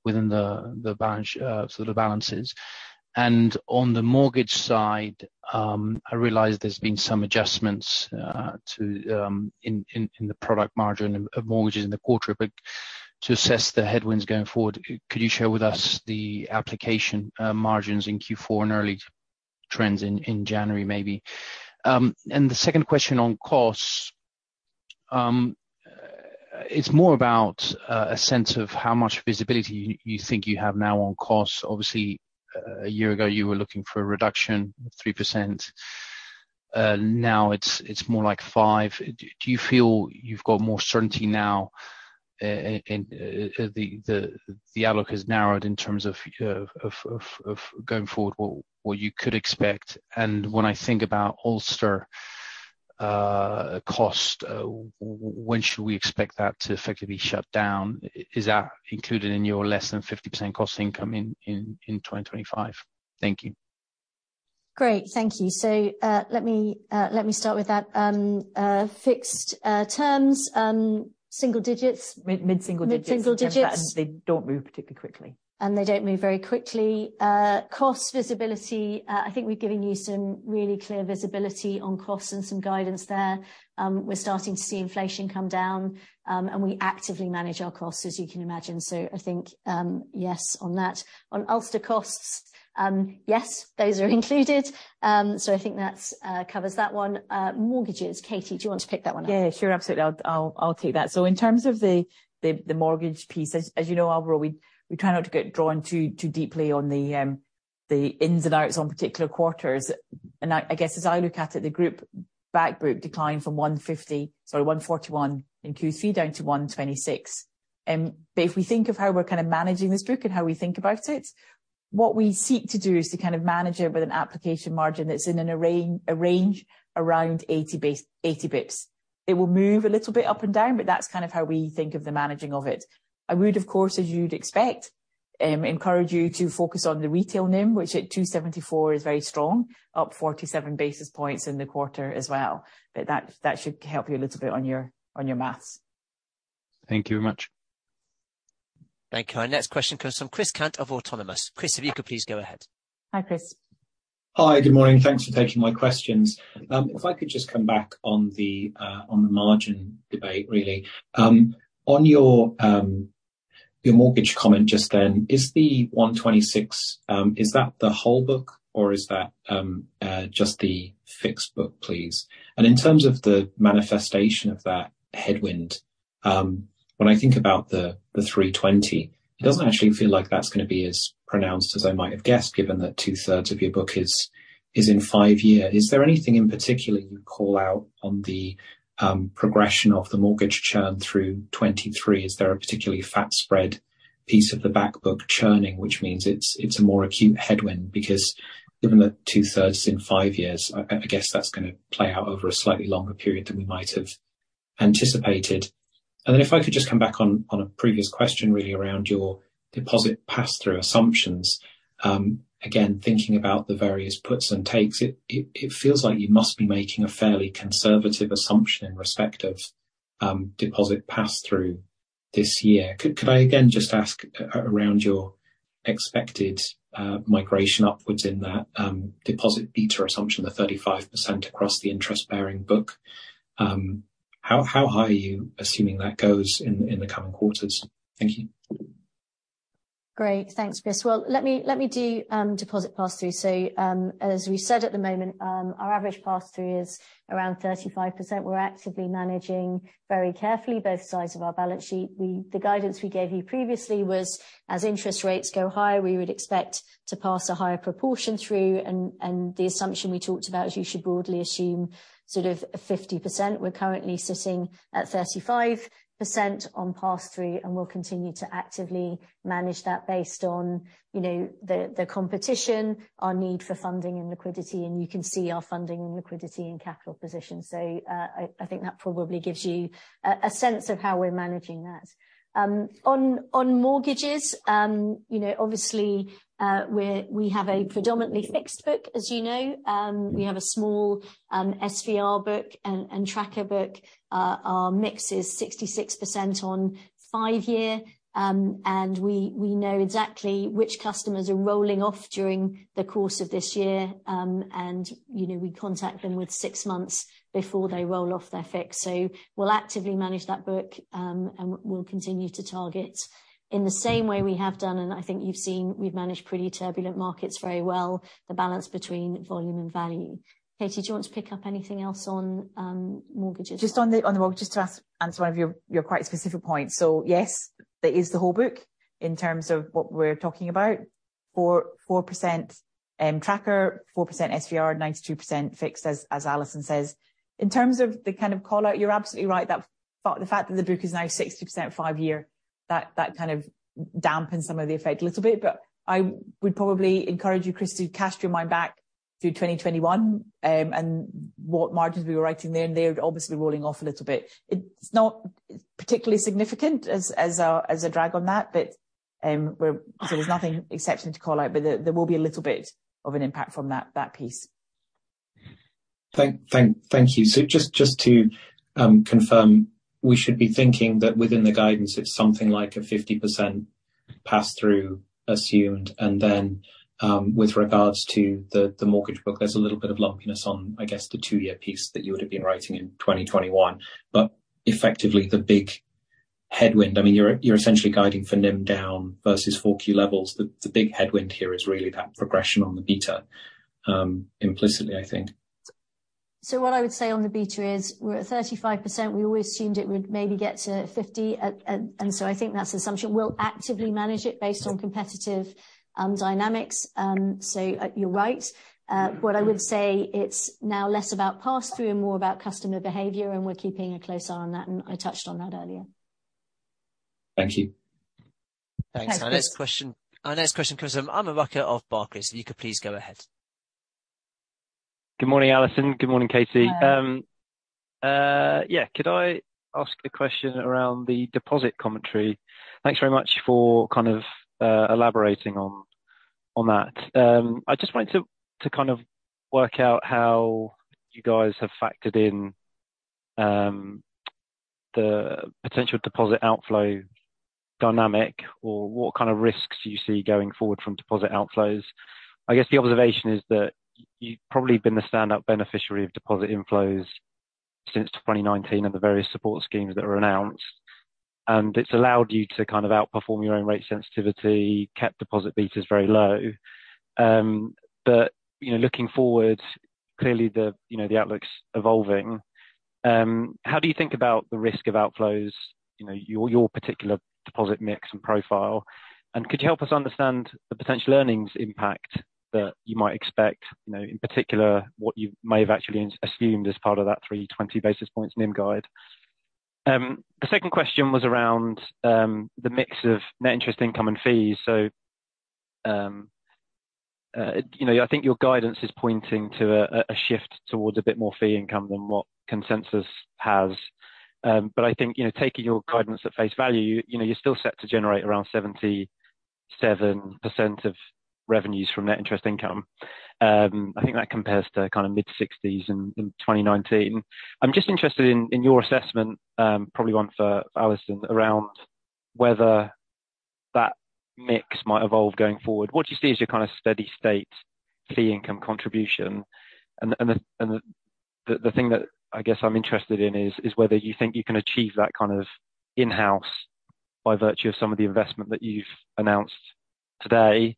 F: the sort of balances. On the mortgage side, I realize there's been some adjustments to in the product margin of mortgages in the quarter. To assess the headwinds going forward, could you share with us the application margins in Q4 and early trends in January maybe? The second question on costs, it's more about a sense of how much visibility you think you have now on costs. Obviously, a year ago you were looking for a reduction of 3%. Now it's more like five. Do you feel you've got more certainty now? The outlook has narrowed in terms of of going forward, what you could expect. When I think about Ulster cost, when should we expect that to effectively shut down? Is that included in your less than 50% cost income in 2025? Thank you.
C: Great. Thank you. Let me start with that. Fixed terms, single digits.
D: Mid-single digits.
C: Mid-single digits.
D: They don't move particularly quickly.
C: They don't move very quickly. Cost visibility, I think we've given you some really clear visibility on costs and some guidance there. We're starting to see inflation come down, and we actively manage our costs, as you can imagine. I think, yes, on that. On Ulster costs, yes, those are included. I think that's, covers that one. Mortgages. Katie, do you want to pick that one up?
D: Yeah, sure. Absolutely. I'll take that. In terms of the mortgage piece, as you know, Alvaro, we try not to get drawn too deeply on the ins and outs on particular quarters. I guess as I look at it, the group declined from 141 in Q3 down to 126. If we think of how we're kind of managing this book and how we think about it, what we seek to do is to kind of manage it with an application margin that's in a range around 80 basis points. It will move a little bit up and down, but that's kind of how we think of the managing of it. I would, of course, as you'd expect, encourage you to focus on the retail NIM, which at 2.74 is very strong, up 47 basis points in the quarter as well. But that should help you a little bit on your, on your math.
F: Thank you very much.
A: Thank you. Our next question comes from Chris Cant of Autonomous. Chris, if you could please go ahead.
D: Hi, Chris.
G: Hi, good morning. Thanks for taking my questions. If I could just come back on the, on the margin debate, really. On your mortgage comment just then, is the 126, is that the whole book or is that, just the fixed book, please? And in terms of the manifestation of that headwind, when I think about the 320, it doesn't actually feel like that's gonna be as pronounced as I might have guessed, given that 2/3 of your book is in 5-year. Is there anything in particular you'd call out on the, progression of the mortgage churn through 23? Is there a particularly fat spread piece of the back book churning, which means it's a more acute headwind? Given that two-thirds in five years, I guess that's gonna play out over a slightly longer period than we might have anticipated. If I could just come back on a previous question, really, around your deposit pass-through assumptions, again, thinking about the various puts and takes, it feels like you must be making a fairly conservative assumption in respect of deposit pass-through this year. Could I again just ask around your expected migration upwards in that deposit beta assumption of 35% across the interest-bearing book, how high are you assuming that goes in the coming quarters? Thank you.
C: Great. Thanks, Chris. Well, let me do deposit pass through. As we said, at the moment, our average pass through is around 35%. We're actively managing very carefully both sides of our balance sheet. The guidance we gave you previously was, as interest rates go higher, we would expect to pass a higher proportion through, and the assumption we talked about, you should broadly assume sort of 50%. We're currently sitting at 35% on pass through, and we'll continue to actively manage that based on, you know, the competition, our need for funding and liquidity, and you can see our funding, liquidity and capital position. I think that probably gives you a sense of how we're managing that. On mortgages, you know, obviously, we have a predominantly fixed book, as you know. We have a small SVR book and tracker book. Our mix is 66% on 5 year, and we know exactly which customers are rolling off during the course of this year. You know, we contact them with 6 months before they roll off their fix. We'll actively manage that book, and we'll continue to target in the same way we have done, and I think you've seen we've managed pretty turbulent markets very well, the balance between volume and value. Katie, do you want to pick up anything else on mortgages?
D: Just to ask, answer one of your quite specific points. Yes, there is the whole book in terms of what we're talking about. 4% tracker, 4% SVR, 92% fixed as Alison says. In terms of the kind of call-out, you're absolutely right. The fact that the book is now 60% 5 year, that kind of dampens some of the effect a little bit. I would probably encourage you, Chris, to cast your mind back through 2021, and what margins we were writing then. They're obviously rolling off a little bit. It's not particularly significant as a drag on that, but there's nothing exceptional to call out, but there will be a little bit of an impact from that piece.
G: Thank you. Just to confirm, we should be thinking that within the guidance it's something like a 50% pass through assumed, and then with regards to the mortgage book, there's a little bit of lumpiness on, I guess, the two-year piece that you would have been writing in 2021. Effectively, the big headwind, I mean, you're essentially guiding for NIM down versus 4Q levels. The big headwind here is really that progression on the beta, implicitly, I think.
C: What I would say on the beta is we're at 35%. We always assumed it would maybe get to 50. I think that's the assumption. We'll actively manage it based on competitive dynamics. You're right. What I would say it's now less about pass through and more about customer behavior, and we're keeping a close eye on that, and I touched on that earlier.
G: Thank you.
C: Thanks.
A: Our next question comes from Aman Rakkar of Barclays. You can please go ahead.
H: Good morning, Alison. Good morning, Katie.
C: Hi.
H: Yeah. Could I ask a question around the deposit commentary? Thanks very much for kind of elaborating on that. I just wanted to kind of work out how you guys have factored in the potential deposit outflow dynamic or what kind of risks you see going forward from deposit outflows. I guess the observation is that you've probably been the stand up beneficiary of deposit inflows since 2019 and the various support schemes that were announced, and it's allowed you to kind of outperform your own rate sensitivity, kept deposit betas very low. You know, looking forward, clearly the, you know, the outlook's evolving. How do you think about the risk of outflows, you know, your particular deposit mix and profile? Could you help us understand the potential earnings impact that you might expect, you know, in particular, what you may have actually assumed as part of that 320 basis points NIM guide? The second question was around the mix of net interest income and fees. You know, I think your guidance is pointing to a shift towards a bit more fee income than what consensus has. But I think, you know, taking your guidance at face value, you know, you're still set to generate around 77% of revenues from net interest income. I think that compares to kind of mid-60s in 2019. I'm just interested in your assessment, probably one for Alison, around whether that mix might evolve going forward. What do you see as your kind of steady state fee income contribution? The thing that I guess I'm interested in is whether you think you can achieve that kind of in-house by virtue of some of the investment that you've announced today,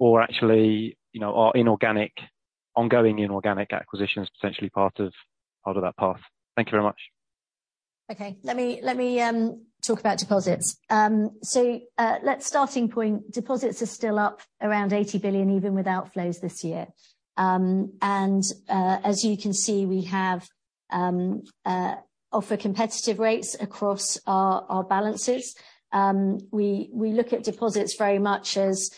H: or actually, you know, are inorganic, ongoing inorganic acquisitions potentially part of that path? Thank you very much.
C: Okay. Let me talk about deposits. Let's starting point, deposits are still up around 80 billion, even with outflows this year. As you can see, we have offer competitive rates across our balances. We look at deposits very much as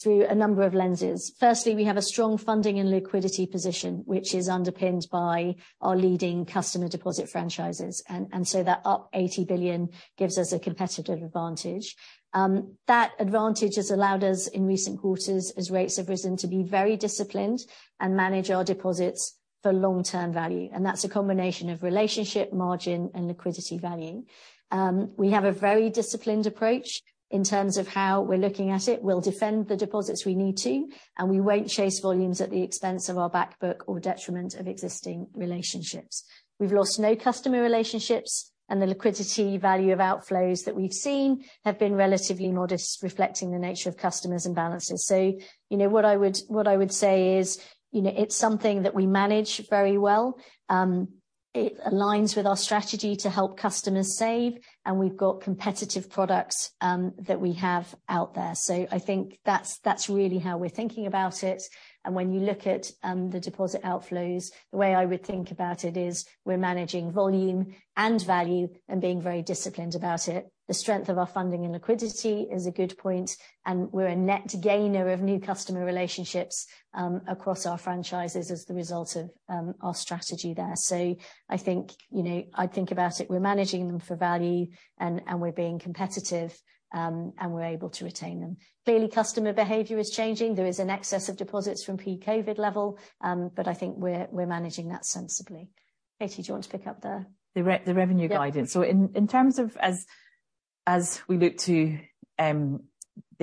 C: through a number of lenses. Firstly, we have a strong funding and liquidity position which is underpinned by our leading customer deposit franchises. That up 80 billion gives us a competitive advantage. That advantage has allowed us in recent quarters, as rates have risen, to be very disciplined and manage our deposits for long-term value. That's a combination of relationship, margin and liquidity value. We have a very disciplined approach in terms of how we're looking at it. We'll defend the deposits we need to, we won't chase volumes at the expense of our back book or detriment of existing relationships. We've lost no customer relationships, the liquidity value of outflows that we've seen have been relatively modest, reflecting the nature of customers and balances. You know, what I would say is, you know, it's something that we manage very well. It aligns with our strategy to help customers save, we've got competitive products, that we have out there. I think that's really how we're thinking about it. When you look at, the deposit outflows, the way I would think about it is we're managing volume and value and being very disciplined about it. The strength of our funding and liquidity is a good point. We're a net gainer of new customer relationships, across our franchises as the result of, our strategy there. I think, you know, I think about it, we're managing them for value and we're being competitive, and we're able to retain them. Clearly, customer behavior is changing. There is an excess of deposits from pre-COVID level. I think we're managing that sensibly. Katie, do you want to pick up there?
D: The revenue guidance.
C: Yeah.
D: In terms of as we look to the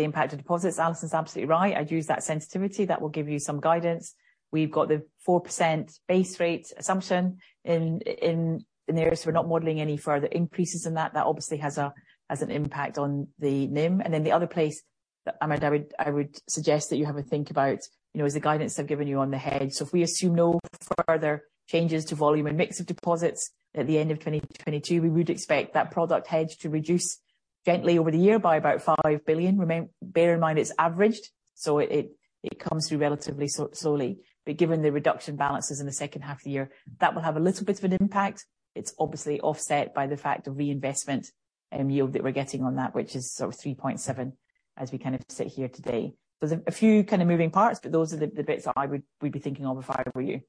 D: impact of deposits, Alison is absolutely right. I'd use that sensitivity. That will give you some guidance. We've got the 4% base rate assumption in there. We're not modeling any further increases in that. That obviously has an impact on the NIM. The other place I would suggest that you have a think about, you know, is the guidance I've given you on the hedge. If we assume no further changes to volume and mix of deposits at the end of 2022, we would expect that product hedge to reduce gently over the year by about 5 billion. Bear in mind, it's averaged, so it comes through relatively slowly. Given the reduction balances in the second half of the year, that will have a little bit of an impact. It's obviously offset by the fact of reinvestment, yield that we're getting on that, which is sort of 3.7% as we kind of sit here today. There's a few kind of moving parts, those are the bits that we'd be thinking of if I were you.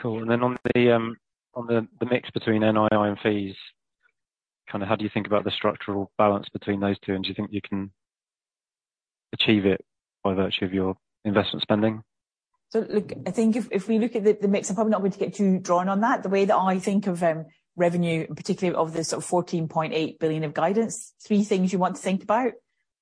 H: Cool. On the mix between NII and fees, kind of how do you think about the structural balance between those two? Do you think you can achieve it by virtue of your investment spending?
D: Look, I think if we look at the mix, I'm probably not going to get too drawn on that. The way that I think of revenue, and particularly of the sort of 14.8 billion of guidance, three things you want to think about.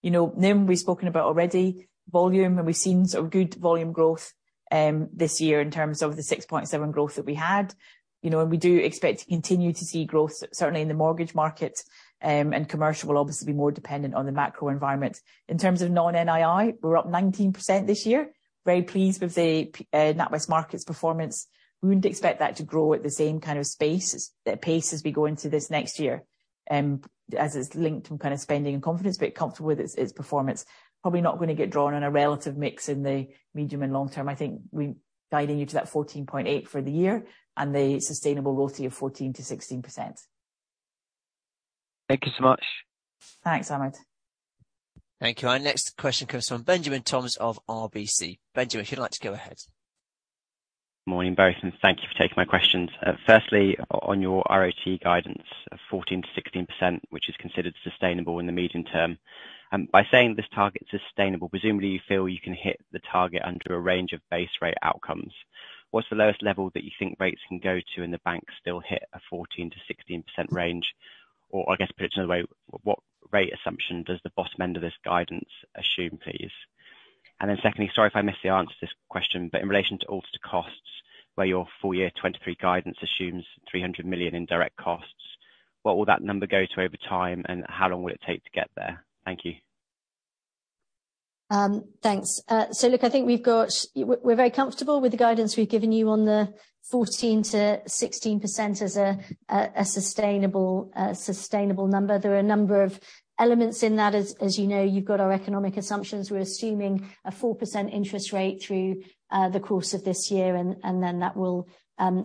D: You know, NIM we've spoken about already. Volume, and we've seen sort of good volume growth this year in terms of the 6.7% growth that we had. You know, and we do expect to continue to see growth, certainly in the mortgage market. Commercial will obviously be more dependent on the macro environment. In terms of non-NII, we're up 19% this year. Very pleased with the NatWest Markets performance. We wouldn't expect that to grow at the same kind of pace as we go into this next year, as it's linked from kinda spending and confidence, but comfortable with its performance. Probably not going to get drawn on a relative mix in the medium and long term. I think we're guiding you to that 14.8% for the year and the sustainable RoTE of 14%-16%.
H: Thank you so much.
D: Thanks, Aman
A: Thank you. Our next question comes from Benjamin Toms of RBC. Benjamin, if you'd like to go ahead.
I: Morning both, thank you for taking my questions. Firstly, on your ROT guidance of 14%-16%, which is considered sustainable in the medium term. By saying this target's sustainable, presumably you feel you can hit the target under a range of base rate outcomes. What's the lowest level that you think rates can go to and the bank still hit a 14%-16% range? I guess put it another way, what rate assumption does the bottom end of this guidance assume, please? Secondly, sorry if I missed the answer to this question, but in relation to Ulster costs, where your full year 2023 guidance assumes 300 million in direct costs, what will that number go to over time, and how long will it take to get there? Thank you.
C: Thanks. Look, I think we're very comfortable with the guidance we've given you on the 14%-16% as a sustainable number. There are a number of elements in that. As you know, you've got our economic assumptions. We're assuming a 4% interest rate through the course of this year, and then that will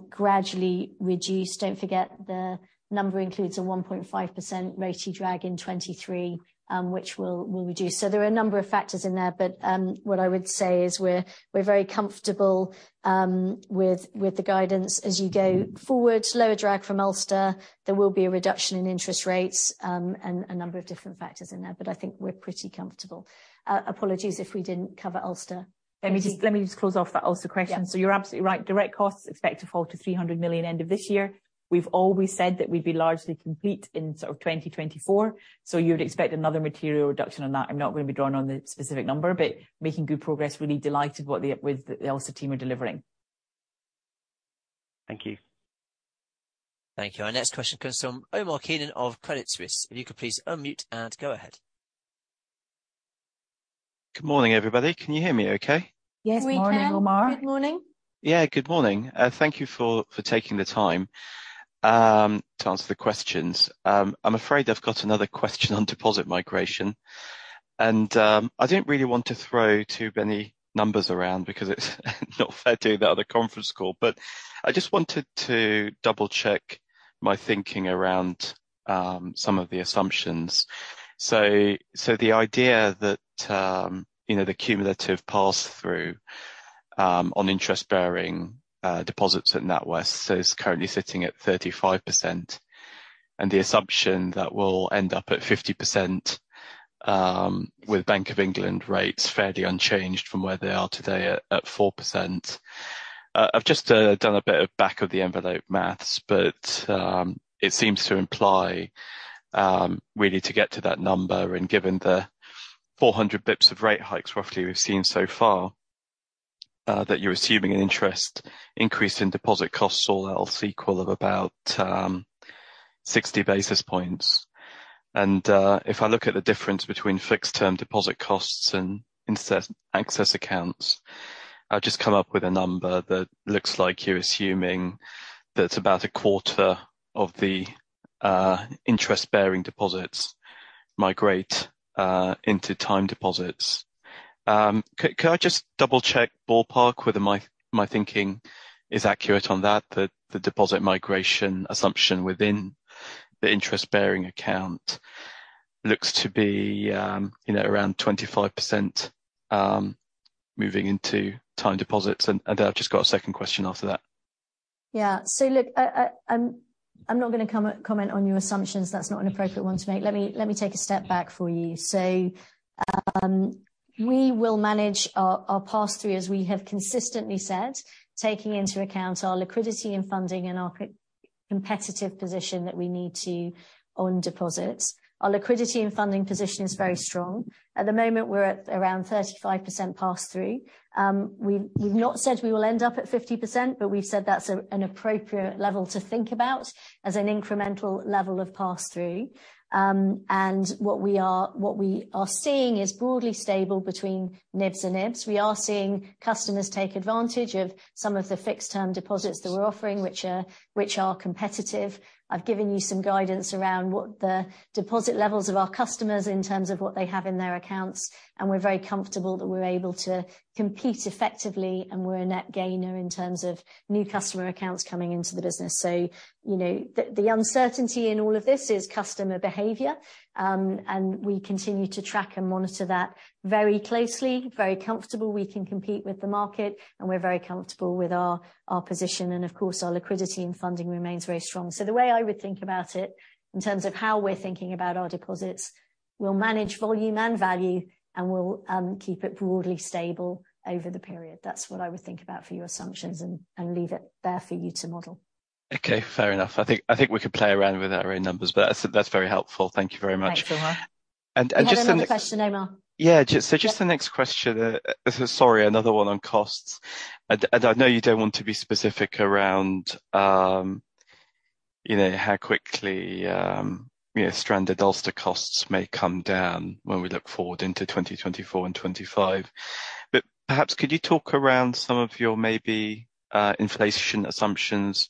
C: gradually reduce. Don't forget, the number includes a 1.5% RoTE drag in 2023, which we'll reduce. There are a number of factors in there, but what I would say is we're very comfortable with the guidance. As you go forward, lower drag from Ulster, there will be a reduction in interest rates, and a number of different factors in there, but I think we're pretty comfortable. Apologies if we didn't cover Ulster.
D: Let me just close off that Ulster question.
C: Yeah.
D: You're absolutely right. Direct costs expected to fall to 300 million end of this year. We've always said that we'd be largely complete in sort of 2024. You would expect another material reduction on that. I'm not gonna be drawn on the specific number, but making good progress. Really delighted with the Ulster team are delivering.
I: Thank you.
A: Thank you. Our next question comes from Omar Keenan of Credit Suisse. If you could please unmute and go ahead.
J: Good morning, everybody. Can you hear me okay?
C: Yes, we can.
D: Good morning, Omar.
C: Good morning.
J: Yeah, good morning. Thank you for taking the time to answer the questions. I'm afraid I've got another question on deposit migration. I didn't really want to throw too many numbers around because it's not fair to the other conference call. I just wanted to double-check my thinking around some of the assumptions. The idea that, you know, the cumulative pass-through on interest-bearing deposits at NatWest, it's currently sitting at 35%, the assumption that we'll end up at 50% with Bank of England rates fairly unchanged from where they are today at 4%. I've just done a bit of back of the envelope math, but it seems to imply really to get to that number, and given the 400 basis points of rate hikes roughly we've seen so far, that you're assuming an interest increase in deposit costs or else equal of about 60 basis points. If I look at the difference between fixed term deposit costs and inter-access accounts, I'd just come up with a number that looks like you're assuming that about a quarter of the interest-bearing deposits migrate into time deposits. Can I just double-check ballpark whether my thinking is accurate on that, the deposit migration assumption within the interest-bearing account looks to be, you know, around 25% moving into time deposits? I've just got a second question after that.
C: Yeah. Look, I'm not gonna comment on your assumptions. That's not an appropriate one to make. Let me take a step back for you. We will manage our pass-through as we have consistently said, taking into account our liquidity and funding and our competitive position that we need to own deposits. Our liquidity and funding position is very strong. At the moment, we're at around 35% pass-through. We've not said we will end up at 50%, but we've said that's an appropriate level to think about as an incremental level of pass-through. What we are seeing is broadly stable between NIBs and NIBs. We are seeing customers take advantage of some of the fixed term deposits that we're offering, which are competitive. I've given you some guidance around what the deposit levels of our customers in terms of what they have in their accounts, and we're very comfortable that we're able to compete effectively, and we're a net gainer in terms of new customer accounts coming into the business. You know, the uncertainty in all of this is customer behavior, and we continue to track and monitor that very closely. Very comfortable we can compete with the market, and we're very comfortable with our position. Of course, our liquidity and funding remains very strong. The way I would think about it in terms of how we're thinking about our deposits, we'll manage volume and value, and we'll keep it broadly stable over the period. That's what I would think about for your assumptions and leave it there for you to model.
J: Okay, fair enough. I think we could play around with our own numbers, but that's very helpful. Thank you very much.
C: Thanks, Omar.
J: just.
C: You had another question, Omar.
J: Yeah.
C: Yeah.
J: Just the next question, sorry, another one on costs. I know you don't want to be specific around, you know, how quickly, you know, stranded Ulster costs may come down when we look forward into 2024 and 2025. Perhaps could you talk around some of your maybe inflation assumptions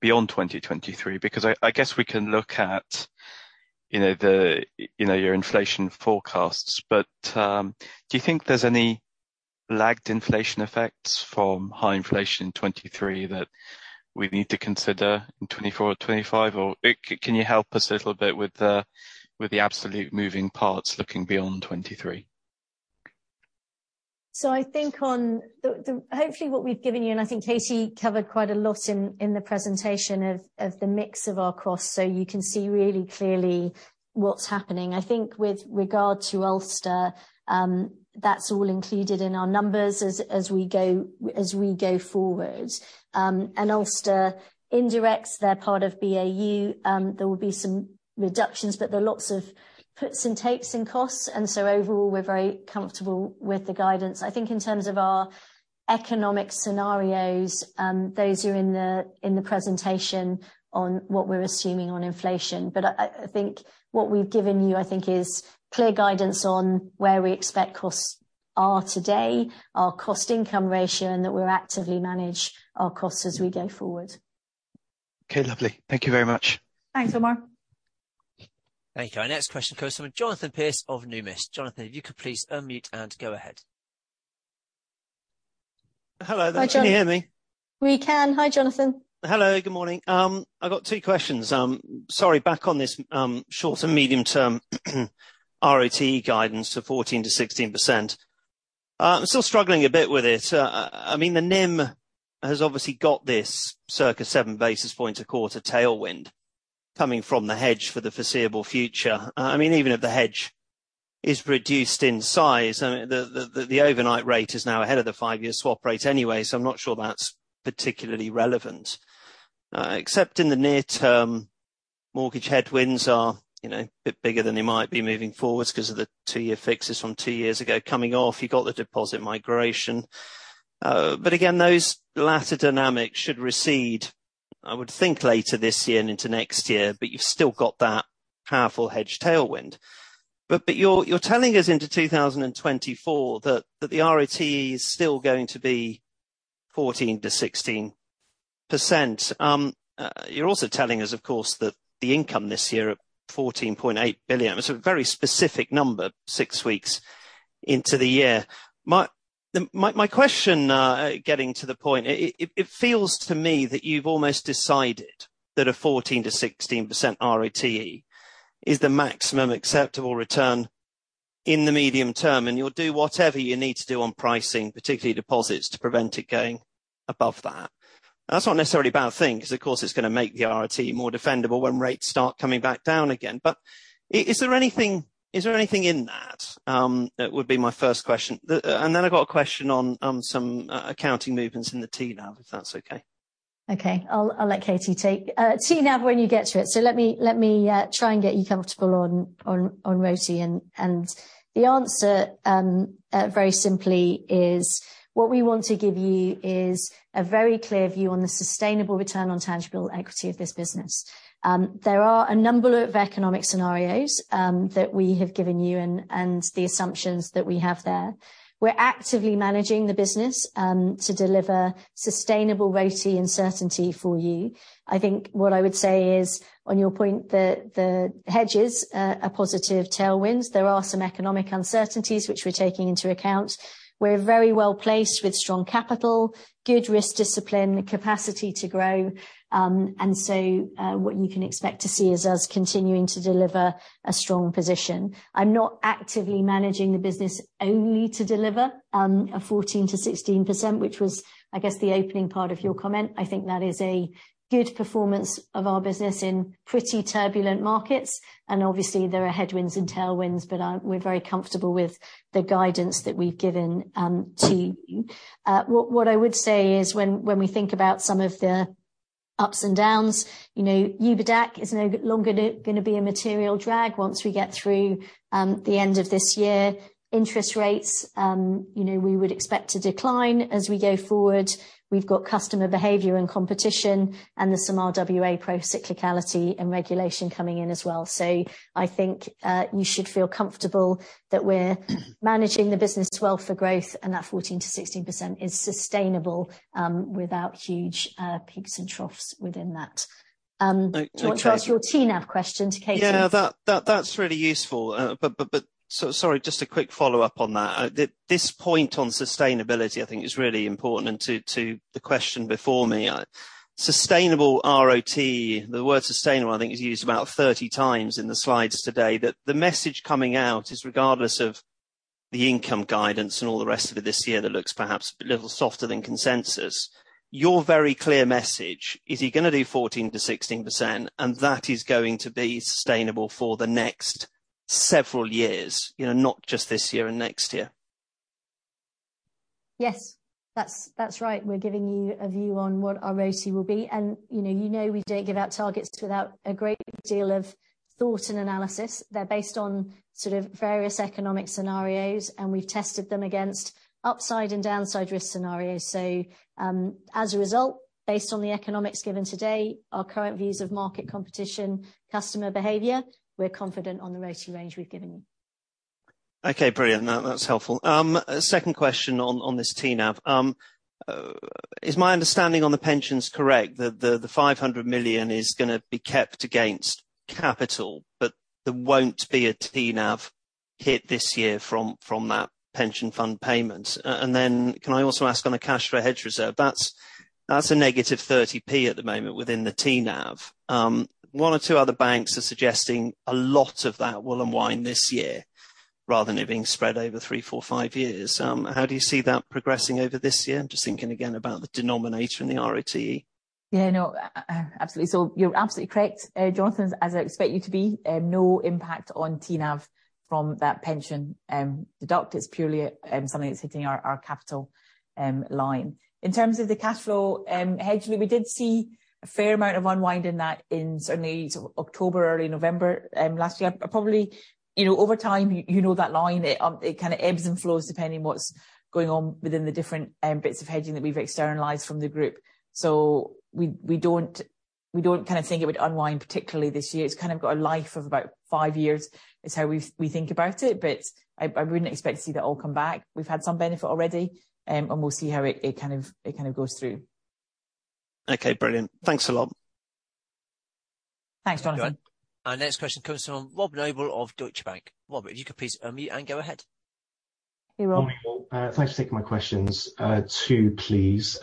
J: beyond 2023? I guess we can look at, you know, the, you know, your inflation forecasts, but do you think there's any lagged inflation effects from high inflation in 2023 that we need to consider in 2024 or 2025, or can you help us a little bit with the, with the absolute moving parts looking beyond 2023?
C: I think on hopefully what we've given you, and I think Katie covered quite a lot in the presentation of the mix of our costs, so you can see really clearly what's happening. I think with regard to Ulster, that's all included in our numbers as we go forward. Ulster indirects, they're part of BAU, there will be some reductions, but there are lots of puts and takes in costs, and so overall we're very comfortable with the guidance. I think in terms of our economic scenarios, those are in the presentation on what we're assuming on inflation. I think what we've given you, I think, is clear guidance on where we expect costs are today, our cost income ratio, and that we'll actively manage our costs as we go forward.
J: Okay, lovely. Thank you very much.
C: Thanks, Omar.
A: Thank you. Our next question comes from Jonathan Pierce of Numis. Jonathan, if you could please unmute and go ahead.
K: Hello.
C: Hi, Jonathan.
K: Can you hear me?
C: We can. Hi, Jonathan.
K: Hello, good morning. I've got two questions. Sorry, back on this, short and medium term RoTE guidance to 14%-16%. I'm still struggling a bit with it. I mean, the NIM has obviously got this circa seven basis point a quarter tailwind coming from the hedge for the foreseeable future. I mean, even if the hedge is reduced in size, I mean, the, the overnight rate is now ahead of the five year swap rate anyway, so I'm not sure that's particularly relevant. Except in the near term, mortgage headwinds are, you know, a bit bigger than they might be moving forward 'cause of the two year fixes from two years ago coming off. You got the deposit migration. Again, those latter dynamics should recede, I would think, later this year and into next year, but you've still got that powerful hedge tailwind. You're telling us into 2024 that the RoTE is still going to be 14%-16%. You're also telling us, of course, that the income this year of 14.8 billion, it's a very specific number six weeks into the year. My question, getting to the point, it feels to me that you've almost decided that a 14%-16% RoTE is the maximum acceptable return in the medium term, and you'll do whatever you need to do on pricing, particularly deposits, to prevent it going above that. That's not necessarily a bad thing 'cause of course it's gonna make the ROT more defendable when rates start coming back down again. Is there anything in that? That would be my first question. Then I've got a question on some accounting movements in the TNAV, if that's okay.
C: Okay. I'll let Katie take, TNAV when you get to it. Let me try and get you comfortable on RoTE and the answer, very simply is what we want to give you is a very clear view on the sustainable return on tangible equity of this business. There are a number of economic scenarios, that we have given you and the assumptions that we have there. We're actively managing the business, to deliver sustainable RoTE and certainty for you. I think what I would say is, on your point that the hedges are positive tailwinds, there are some economic uncertainties which we're taking into account. We're very well-placed with strong capital, good risk discipline, capacity to grow. What you can expect to see is us continuing to deliver a strong position. I'm not actively managing the business only to deliver a 14%-16%, which was, I guess, the opening part of your comment. I think that is a good performance of our business in pretty turbulent markets, and obviously there are headwinds and tailwinds, but we're very comfortable with the guidance that we've given to you. What I would say is when we think about some of the ups and downs, you know, UBIDAC is no longer gonna be a material drag once we get through the end of this year. Interest rates, you know, we would expect to decline as we go forward. We've got customer behavior and competition and some RWA procyclicality and regulation coming in as well. I think, you should feel comfortable that we're managing the business well for growth, and that 14%-16% is sustainable, without huge peaks and troughs within that. Do you want to ask your TNAV question to Katie?
K: Yeah. That's really useful. sorry, just a quick follow-up on that. this point on sustainability, I think is really important and to the question before me. Sustainable ROTE, the word sustainable, I think is used about 30 times in the slides today. The message coming out is, regardless of the income guidance and all the rest of it this year that looks perhaps a little softer than consensus, your very clear message is you're gonna do 14%-16%, and that is going to be sustainable for the next several years. You know, not just this year and next year.
C: Yes. That's right. We're giving you a view on what our RoTE will be and, you know, we don't give out targets without a great deal of thought and analysis. They're based on sort of various economic scenarios, and we've tested them against upside and downside risk scenarios. As a result, based on the economics given today, our current views of market competition, customer behavior, we're confident on the RoTE range we've given you.
K: Okay, brilliant. That's helpful. Second question on this TNAV. Is my understanding on the pensions correct, that the 500 million is gonna be kept against capital, but there won't be a TNAV hit this year from that pension fund payment? Can I also ask on the cash flow hedge reserve. That's a negative 0.30 at the moment within the TNAV. One or two other banks are suggesting a lot of that will unwind this year rather than it being spread over three, four, five years. How do you see that progressing over this year? Just thinking again about the denominator in the RoTE.
D: Yeah, no. absolutely. You're absolutely correct, Jonathan, as I expect you to be. No impact on TNAV from that pension. The duct is purely something that's hitting our capital line. In terms of the cash flow hedge, we did see a fair amount of unwind in that certainly sort of October, early November last year. Probably, you know, over time, you know, that line. It kinda ebbs and flows depending what's going on within the different bits of hedging that we've externalized from the group. We don't kind of think it would unwind particularly this year. It's kind of got a life of about five years, is how we think about it, but I wouldn't expect to see that all come back. We've had some benefit already, and we'll see how it kind of goes through.
K: Okay, brilliant. Thanks a lot.
C: Thanks, Jonathan.
A: Our next question comes from Robert Noble of Deutsche Bank. Rob, if you could please unmute and go ahead.
C: Hey, Rob.
L: Morning all. Thanks for taking my questions. Two, please.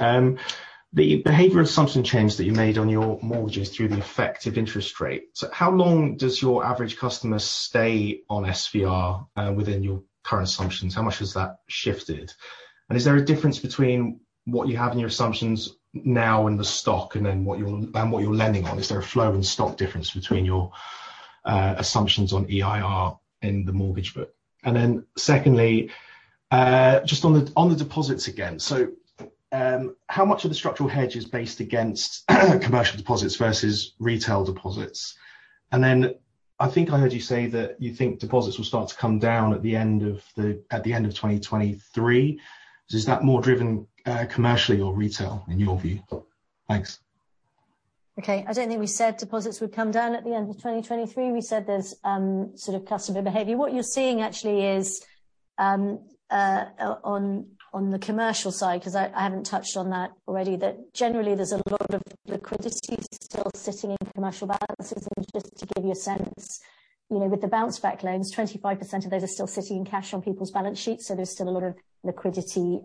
L: The behavior assumption change that you made on your mortgages through the effective interest rate. How long does your average customer stay on SVR within your current assumptions? How much has that shifted? Is there a difference between what you have in your assumptions now in the stock and then what you're lending on? Is there a flow and stock difference between your assumptions on EIR in the mortgage book? Secondly, just on the deposits again. How much of the structural hedge is based against commercial deposits versus retail deposits? I think I heard you say that you think deposits will start to come down at the end of the end of 2023. Is that more driven, commercially or retail in your view? Thanks.
C: Okay. I don't think we said deposits would come down at the end of 2023. We said there's sort of customer behavior. What you're seeing actually is on the commercial side, 'cause I haven't touched on that already, that generally there's a lot of liquidity still sitting in commercial balances. Just to give you a sense, you know, with the Bounce Back Loans, 25% of those are still sitting in cash on people's balance sheets, so there's still a lot of liquidity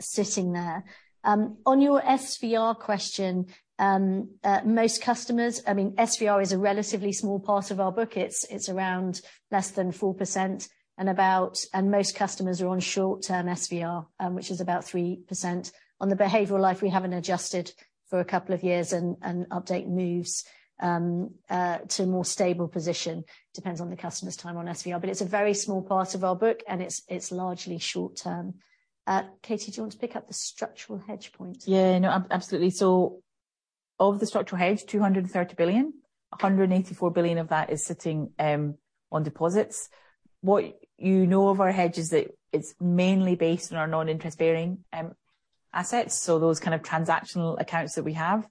C: sitting there. On your SVR question, most customers, I mean, SVR is a relatively small part of our book. It's around less than 4% and most customers are on short-term SVR, which is about 3%. On the behavioral life, we haven't adjusted for a couple of years and update moves to a more stable position, depends on the customer's time on SVR. It's a very small part of our book, and it's largely short term. Katie, do you want to pick up the structural hedge point?
D: Yeah. No, absolutely. Of the structural hedge, 230 billion. 184 billion of that is sitting on deposits. What you know of our hedge is that it's mainly based on our Non-Interest Bearing assets, so those kind of transactional accounts that we have.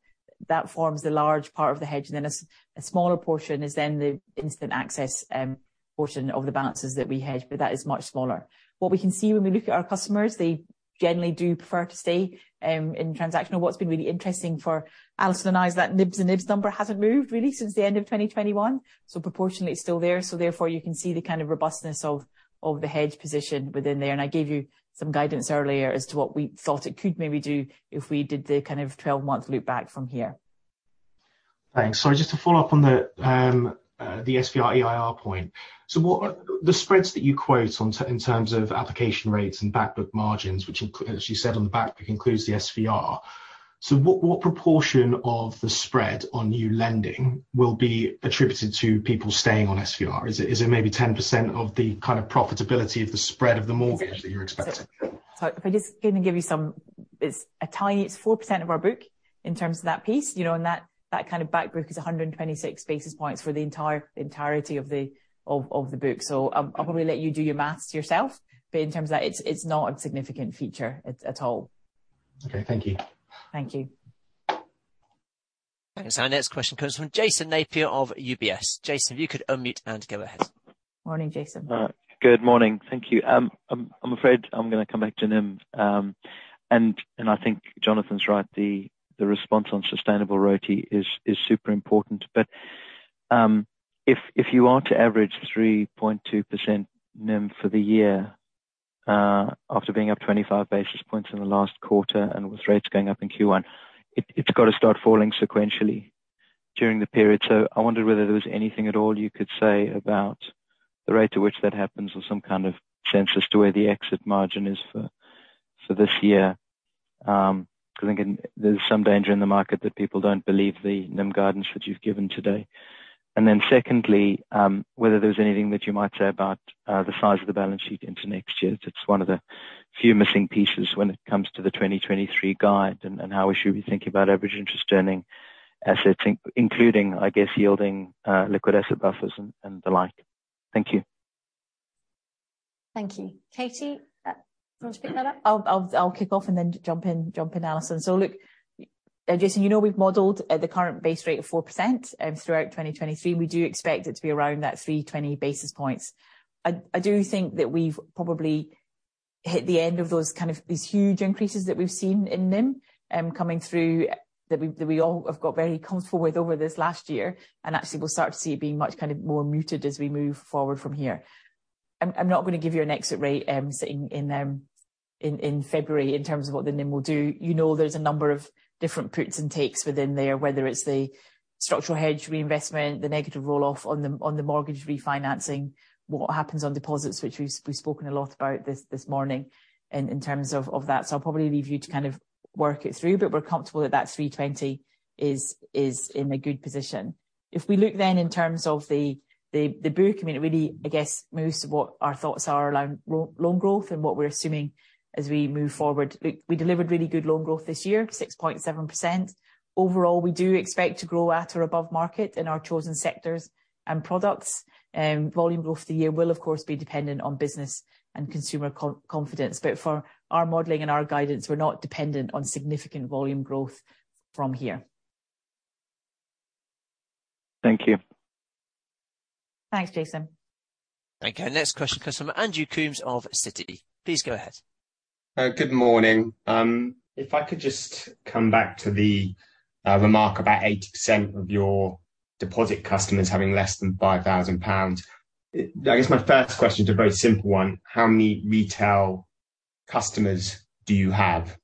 D: That forms a large part of the hedge, and then a smaller portion is then the instant access portion of the balances that we hedge, but that is much smaller. What we can see when we look at our customers, they generally do prefer to stay in transactional. What's been really interesting for Alison and I is that NIMs number hasn't moved really since the end of 2021, so proportionately it's still there. Therefore, you can see the kind of robustness of the hedge position within there. I gave you some guidance earlier as to what we thought it could maybe do if we did the kind of 12-month look back from here.
L: Thanks. Just to follow up on the SVR, EIR point. What are the spreads that you quote in terms of application rates and back book margins, which as you said on the back, includes the SVR. What proportion of the spread on new lending will be attributed to people staying on SVR? Is it maybe 10% of the kind of profitability of the spread of the mortgage that you're expecting?
D: It's 4% of our book in terms of that piece, you know, and that kind of back book is 126 basis points for the entirety of the book. I'll probably let you do your math yourself. In terms of that, it's not a significant feature at all.
L: Okay, thank you.
D: Thank you.
A: Thanks. Our next question comes from Jason Napier of UBS. Jason, if you could unmute and go ahead.
D: Morning, Jason.
M: Good morning. Thank you. I'm afraid I'm gonna come back to NIM. I think Jonathan's right, the response on sustainable RoTE is super important. If you are to average 3.2% NIM for the year, after being up 25 basis points in the last quarter and with rates going up in Q1, it's gotta start falling sequentially during the period. I wondered whether there was anything at all you could say about the rate to which that happens or some kind of sense as to where the exit margin is for this year. 'Cause again, there's some danger in the market that people don't believe the NIM guidance that you've given today. Secondly, whether there's anything that you might say about the size of the balance sheet into next year. That's one of the few missing pieces when it comes to the 2023 guide and how we should be thinking about average interest earning assets, including, I guess, yielding liquid asset buffers and the like. Thank you.
C: Thank you. Katie, do you want to pick that up?
D: I'll kick off and then jump in, Alison. Look, Jason, you know we've modeled at the current base rate of 4%, throughout 2023, and we do expect it to be around that 320 basis points. I do think that we've probably hit the end of those kind of, these huge increases that we've seen in NIM, coming through, that we all have got very comfortable with over this last year, and actually we'll start to see it being much kind of more muted as we move forward from here. I'm not gonna give you an exit rate, sitting in February in terms of what the NIM will do. You know there's a number of different puts and takes within there, whether it's the structural hedge reinvestment, the negative roll-off on the mortgage refinancing, what happens on deposits, which we've spoken a lot about this morning in terms of that. I'll probably leave you to kind of work it through, but we're comfortable that that 320 is in a good position. If we look then in terms of the book, I mean, it really, I guess, moves to what our thoughts are around loan growth and what we're assuming as we move forward. Look, we delivered really good loan growth this year, 6.7%. Overall, we do expect to grow at or above market in our chosen sectors and products. Volume growth for the year will of course be dependent on business and consumer confidence. For our modeling and our guidance, we're not dependent on significant volume growth from here.
M: Thank you.
D: Thanks, Jason.
A: Thank you. Next question comes from Andrew Coombs of Citi. Please go ahead.
N: Good morning. If I could just come back to the remark about 80% of your deposit customers having less than 5,000 pounds. I guess my first question's a very simple one: How many retail customers do you have?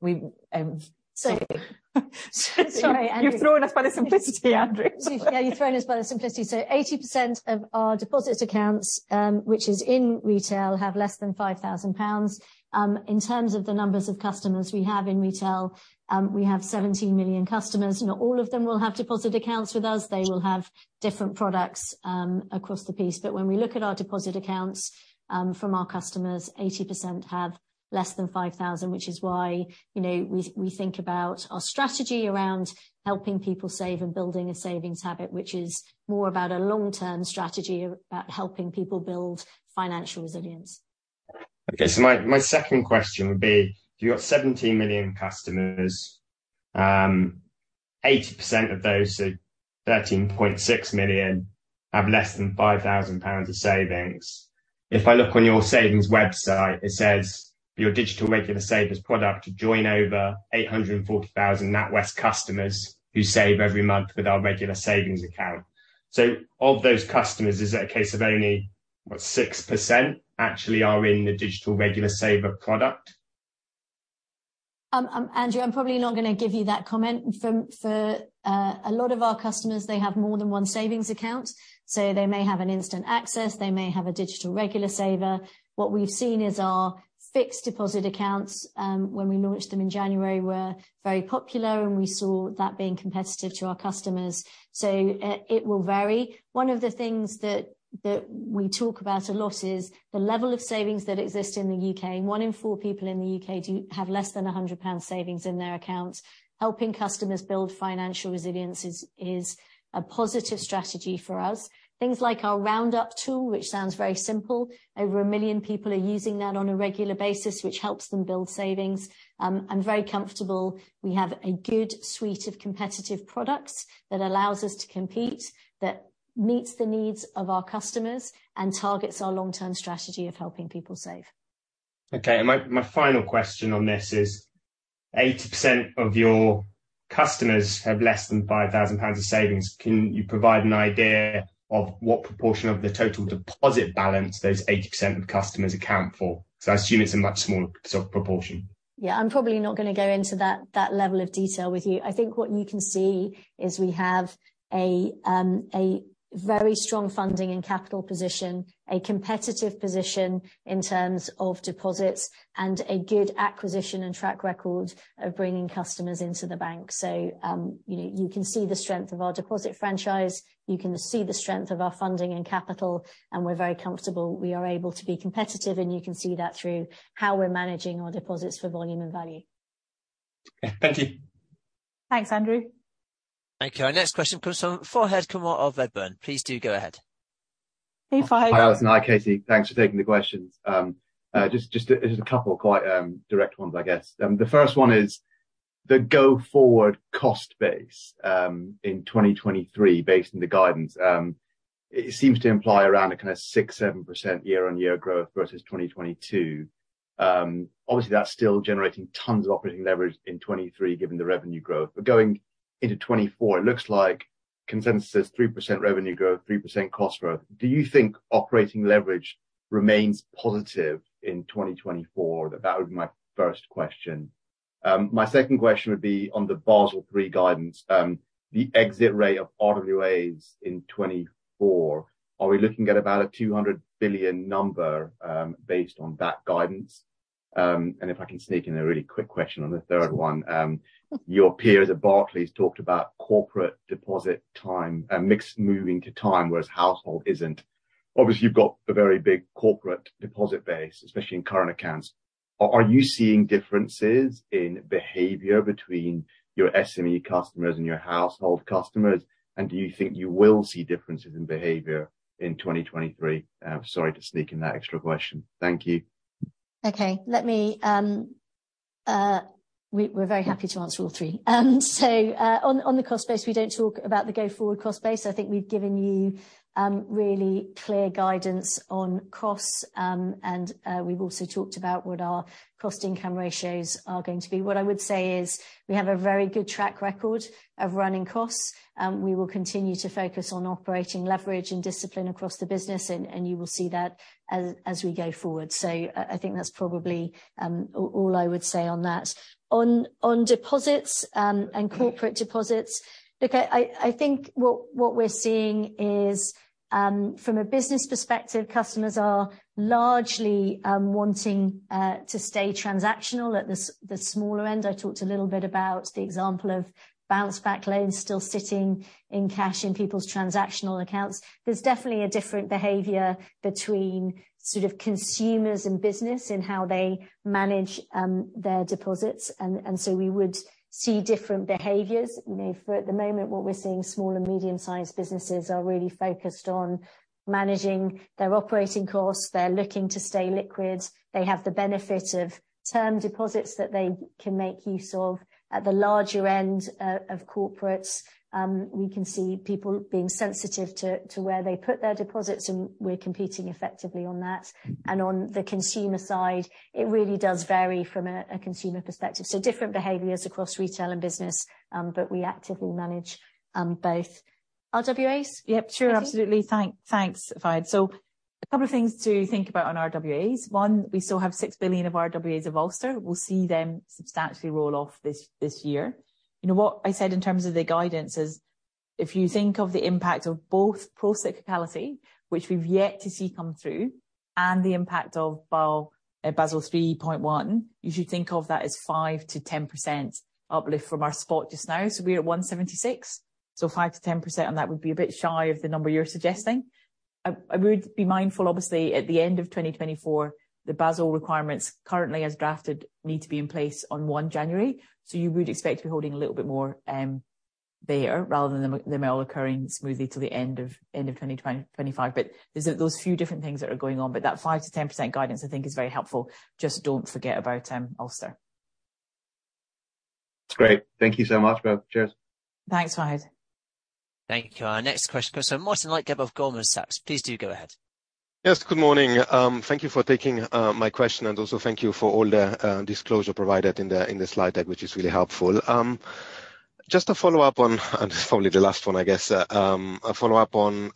D: We, um-
C: Sorry, Andrew.
D: You've thrown us by the simplicity, Andrew.
C: Yeah, you've thrown us by the simplicity. Eighty percent of our deposit accounts, which is in retail, have less than 5,000 pounds. In terms of the numbers of customers we have in retail, we have 17 million customers. Not all of them will have deposit accounts with us. They will have different products, across the piece. When we look at our deposit accounts, from our customers, 80% have less than 5,000, which is why, you know, we think about our strategy around helping people save and building a savings habit, which is more about a long-term strategy about helping people build financial resilience.
N: Okay. My second question would be, if you've got 17 million customers, 80% of those, 13.6 million, have less than 5,000 pounds of savings. If I look on your savings website, it says your Digital Regular Saver product join over 840,000 NatWest customers who save every month with our regular savings account. Of those customers, is it a case of only, what, 6% actually are in the Digital Regular Saver product?
C: Andrew, I'm probably not gonna give you that comment. For a lot of our customers, they have more than one savings account, they may have an instant access, they may have a Digital Regular Saver. What we've seen is our fixed deposit accounts, when we launched them in January, were very popular, we saw that being competitive to our customers. It will vary. One of the things that we talk about a lot is the level of savings that exist in the U.K. One in four people in the U.K. do have less than 100 pounds savings in their accounts. Helping customers build financial resilience is a positive strategy for us. Things like our roundup tool, which sounds very simple, over 1 million people are using that on a regular basis, which helps them build savings. I'm very comfortable we have a good suite of competitive products that allows us to compete, that meets the needs of our customers and targets our long-term strategy of helping people save.
N: Okay. My final question on this is 80% of your customers have less than 5,000 pounds of savings. Can you provide an idea of what proportion of the total deposit balance those 80% of customers account for? I assume it's a much smaller sort of proportion.
C: Yeah. I'm probably not gonna go into that level of detail with you. I think what you can see is we have a very strong funding and capital position, a competitive position in terms of deposits, and a good acquisition and track record of bringing customers into the bank. You know, you can see the strength of our deposit franchise, you can see the strength of our funding and capital, and we're very comfortable we are able to be competitive, and you can see that through how we're managing our deposits for volume and value.
N: Okay. Thank you.
C: Thanks, Andrew.
A: Thank you. Our next question comes from Fahad Khan of Redburn. Please do go ahead.
C: Hey, Fahad.
O: Hi, Alison. Hi, Katie. Thanks for taking the questions. Just a couple of quite direct ones, I guess. The first one is the go-forward cost base in 2023 based on the guidance, it seems to imply around a kinda 6%, 7% year-on-year growth versus 2022. Obviously, that's still generating tons of operating leverage in 2023 given the revenue growth. Going into 2024, it looks like consensus is 3% revenue growth, 3% cost growth. Do you think operating leverage remains positive in 2024? That would be my first question. My second question would be on the Basel 3.1 guidance. The exit rate of RWAs in 2024, are we looking at about a 200 billion number based on that guidance? If I can sneak in a really quick question on the third one. Your peers at Barclays talked about corporate deposit time, mixed moving to time, whereas household isn't. Obviously, you've got a very big corporate deposit base, especially in current accounts. Are you seeing differences in behavior between your SME customers and your household customers? Do you think you will see differences in behavior in 2023? Sorry to sneak in that extra question. Thank you.
C: Okay. We're very happy to answer all three. On the cost base, we don't talk about the go-forward cost base. I think we've given you really clear guidance on costs. We've also talked about what our cost income ratios are going to be. What I would say is we have a very good track record of running costs. We will continue to focus on operating leverage and discipline across the business, and you will see that as we go forward. I think that's probably all I would say on that. On deposits, and corporate deposits, look, I think what we're seeing is from a business perspective, customers are largely wanting to stay transactional. At the smaller end, I talked a little bit about the example of Bounce Back Loans still sitting in cash in people's transactional accounts. There's definitely a different behavior between sort of consumers and business in how they manage their deposits and so we would see different behaviors. You know, for at the moment, what we're seeing, small and medium-sized businesses are really focused on managing their operating costs. They're looking to stay liquid. They have the benefit of term deposits that they can make use of. At the larger end of corporates, we can see people being sensitive to where they put their deposits, and we're competing effectively on that. On the consumer side, it really does vary from a consumer perspective. Different behaviors across retail and business, but we actively manage both. RWAs?
D: Yep, sure.
C: Katie?
D: Absolutely. Thanks, Fahad. A couple of things to think about on RWAs. One, we still have 6 billion of RWAs of Ulster. We'll see them substantially roll off this year. You know what? I said in terms of the guidance is if you think of the impact of both procyclicality, which we've yet to see come through, and the impact of Basel 3.1, you should think of that as 5%-10% uplift from our spot just now. We're at 176, 5%-10% on that would be a bit shy of the number you're suggesting. I would be mindful, obviously, at the end of 2024, the Basel requirements currently as drafted need to be in place on 1 January. You would expect to be holding a little bit more there rather than them all occurring smoothly till the end of 2025. There's those few different things that are going on, but that 5%-10% guidance I think is very helpful. Just don't forget about Ulster Bank.
O: That's great. Thank you so much. Cheers.
C: Thanks, Fahad.
A: Thank you. Our next question comes from Martin Leitgeb of Goldman Sachs. Please do go ahead.
P: Yes. Good morning. Thank you for taking my question, and also thank you for all the disclosure provided in the slide deck, which is really helpful. Just a follow-up on, and probably the last one I guess. A follow-up on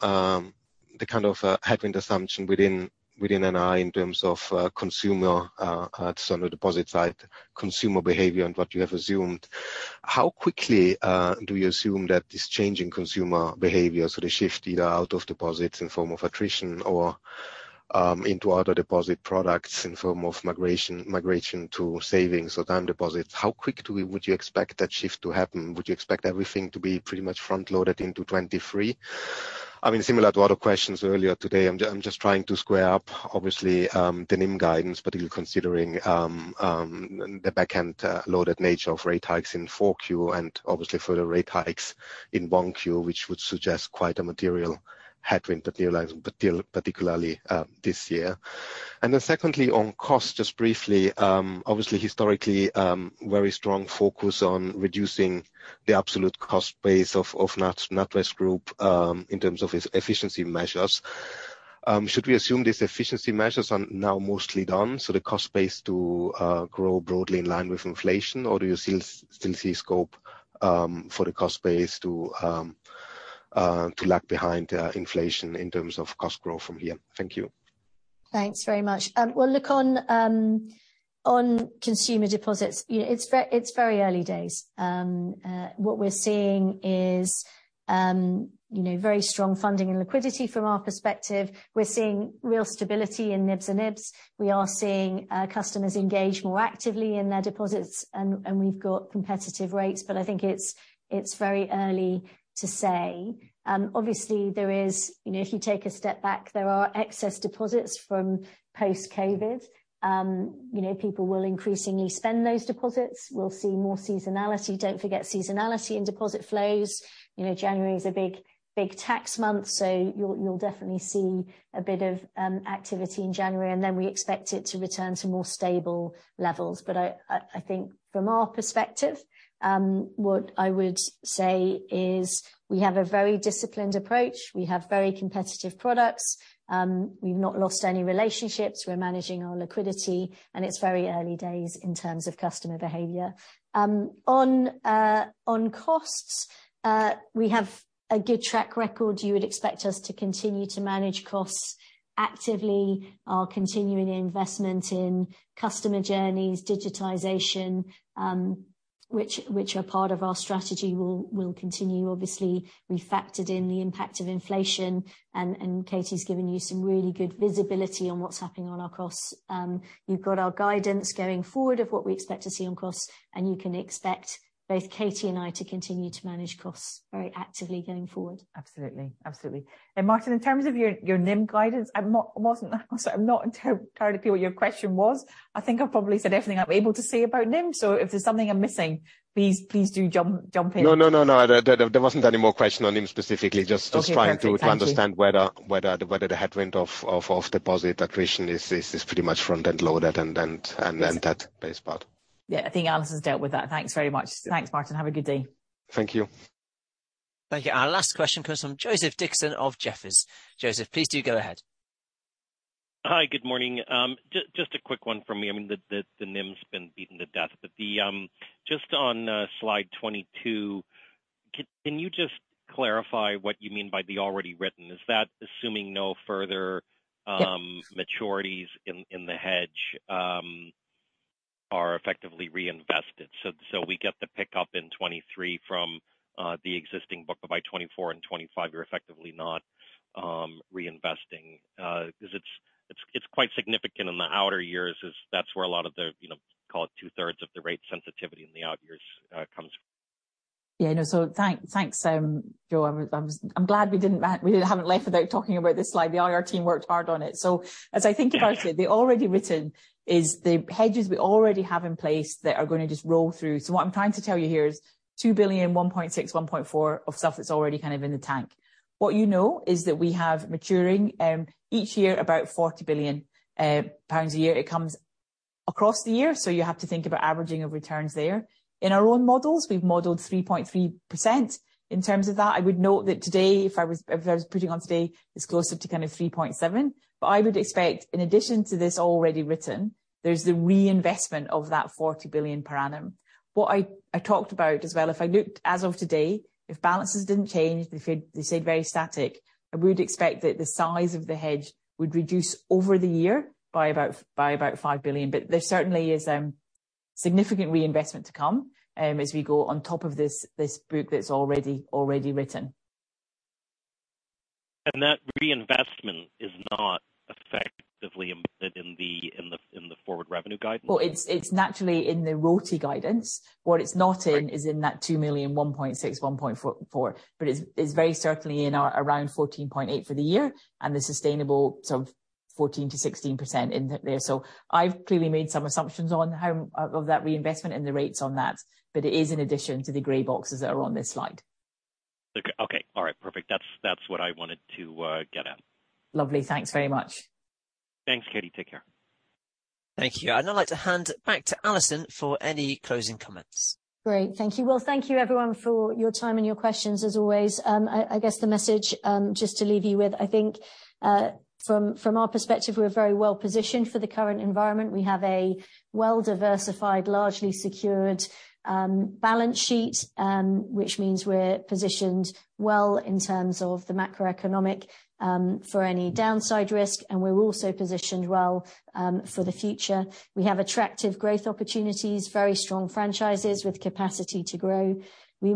P: the kind of headwind assumption within NII in terms of consumer at some of the deposit side, consumer behavior and what you have assumed. How quickly do you assume that this change in consumer behavior, so the shift either out of deposits in form of attrition or into other deposit products in form of migration to savings or time deposits, how quick would you expect that shift to happen? Would you expect everything to be pretty much front-loaded into 2023? I mean, similar to other questions earlier today, I'm just trying to square up, obviously, the NIM guidance, particularly considering the back end loaded nature of rate hikes in 4Q and obviously further rate hikes in 1Q, which would suggest quite a material headwind particularly this year. Secondly, on cost, just briefly, obviously historically, very strong focus on reducing the absolute cost base of NatWest Group in terms of its efficiency measures. Should we assume these efficiency measures are now mostly done, so the cost base to grow broadly in line with inflation, or do you still see scope for the cost base to lag behind inflation in terms of cost growth from here? Thank you.
C: Thanks very much. Well, look on consumer deposits, you know, it's very early days. What we're seeing is, you know, very strong funding and liquidity from our perspective. We're seeing real stability in nibs and ibs. We are seeing customers engage more actively in their deposits and we've got competitive rates. I think it's very early to say. Obviously there is, you know, if you take a step back, there are excess deposits from post-COVID. You know, people will increasingly spend those deposits. We'll see more seasonality. Don't forget seasonality in deposit flows. You know, January is a big tax month, so you'll definitely see a bit of activity in January, and then we expect it to return to more stable levels. I think from our perspective, what I would say is we have a very disciplined approach. We have very competitive products. We've not lost any relationships. We're managing our liquidity, and it's very early days in terms of customer behavior. On costs, we have a good track record. You would expect us to continue to manage costs actively. Our continuing investment in customer journeys, digitization, which are part of our strategy, will continue. Obviously, we factored in the impact of inflation and Katie's given you some really good visibility on what's happening on our costs. You've got our guidance going forward of what we expect to see on costs, and you can expect both Katie and I to continue to manage costs very actively going forward.
D: Absolutely. Absolutely. Martin, in terms of your NIM guidance, I'm not entirely clear what your question was. I think I've probably said everything I'm able to say about NIM, so if there's something I'm missing, please do jump in.
Q: No. There wasn't any more question on NIM specifically.
D: Okay, perfect. Thank you.
Q: Just trying to understand whether the headwind of deposit attrition is pretty much front-end loaded and then that base part.
D: Yeah. I think Alison's dealt with that. Thanks very much. Thanks, Martin. Have a good day.
Q: Thank you.
A: Thank you. Our last question comes from Joseph Dickerson of Jefferies. Joseph, please do go ahead.
R: Hi, good morning. Just a quick one from me. I mean, the NIM's been beaten to death. Just on slide 22, can you just clarify what you mean by the already written? Is that assuming no further-
D: Yes...
R: maturities in the hedge, are effectively reinvested? We get the pickup in 23 from the existing book. By 24 and 25 you're effectively not reinvesting. 'Cause it's quite significant in the outer years as that's where a lot of the, you know, call it two-thirds of the rate sensitivity in the out years comes.
D: Yeah, I know. Thanks, Joe. I'm glad we haven't left without talking about this slide. The IR team worked hard on it. As I think about it, the already written is the hedges we already have in place that are gonna just roll through. What I'm trying to tell you here is 2 billion, 1.6 billion, 1.4 billion of stuff that's already kind of in the tank. What you know is that we have maturing each year about 40 billion pounds a year. It comes across the year, you have to think about averaging of returns there. In our own models, we've modeled 3.3%. In terms of that, I would note that today, if I was putting on today, it's closer to kind of 3.7%. I would expect in addition to this already written, there's the reinvestment of that 40 billion per annum. What I talked about as well, if I looked as of today, if balances didn't change, they stayed very static, I would expect that the size of the hedge would reduce over the year by about 5 billion. There certainly is significant reinvestment to come as we go on top of this book that's already written.
R: That reinvestment is not effectively embedded in the forward revenue guidance?
D: It's, it's naturally in the RoTE guidance. What it's not in is in that 2 million, 1.6, 1.4. It's, it's very certainly in our around 14.8% for the year and the sustainable sort of 14%-16% in there. I've clearly made some assumptions on of that reinvestment and the rates on that, but it is in addition to the gray boxes that are on this slide.
R: Okay. Okay, all right. Perfect. That's what I wanted to get at.
D: Lovely. Thanks very much.
R: Thanks, Katie. Take care.
A: Thank you. I'd now like to hand back to Alison for any closing comments.
C: Great. Thank you. Well, thank you everyone for your time and your questions as always. I guess the message, just to leave you with, I think, from our perspective, we're very well positioned for the current environment. We have a well-diversified, largely secured balance sheet, which means we're positioned well in terms of the macroeconomic for any downside risk, and we're also positioned well for the future. We have attractive growth opportunities, very strong franchises with capacity to grow. We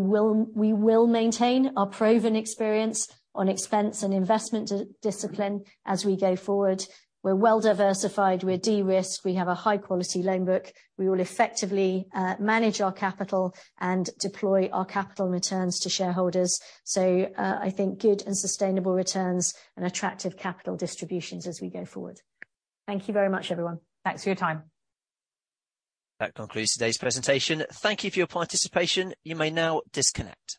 C: will maintain our proven experience on expense and investment discipline as we go forward. We're well diversified. We're de-risked. We have a high-quality loan book. We will effectively manage our capital and deploy our capital returns to shareholders. I think good and sustainable returns and attractive capital distributions as we go forward. Thank you very much, everyone.
D: Thanks for your time.
A: That concludes today's presentation. Thank you for your participation. You may now disconnect.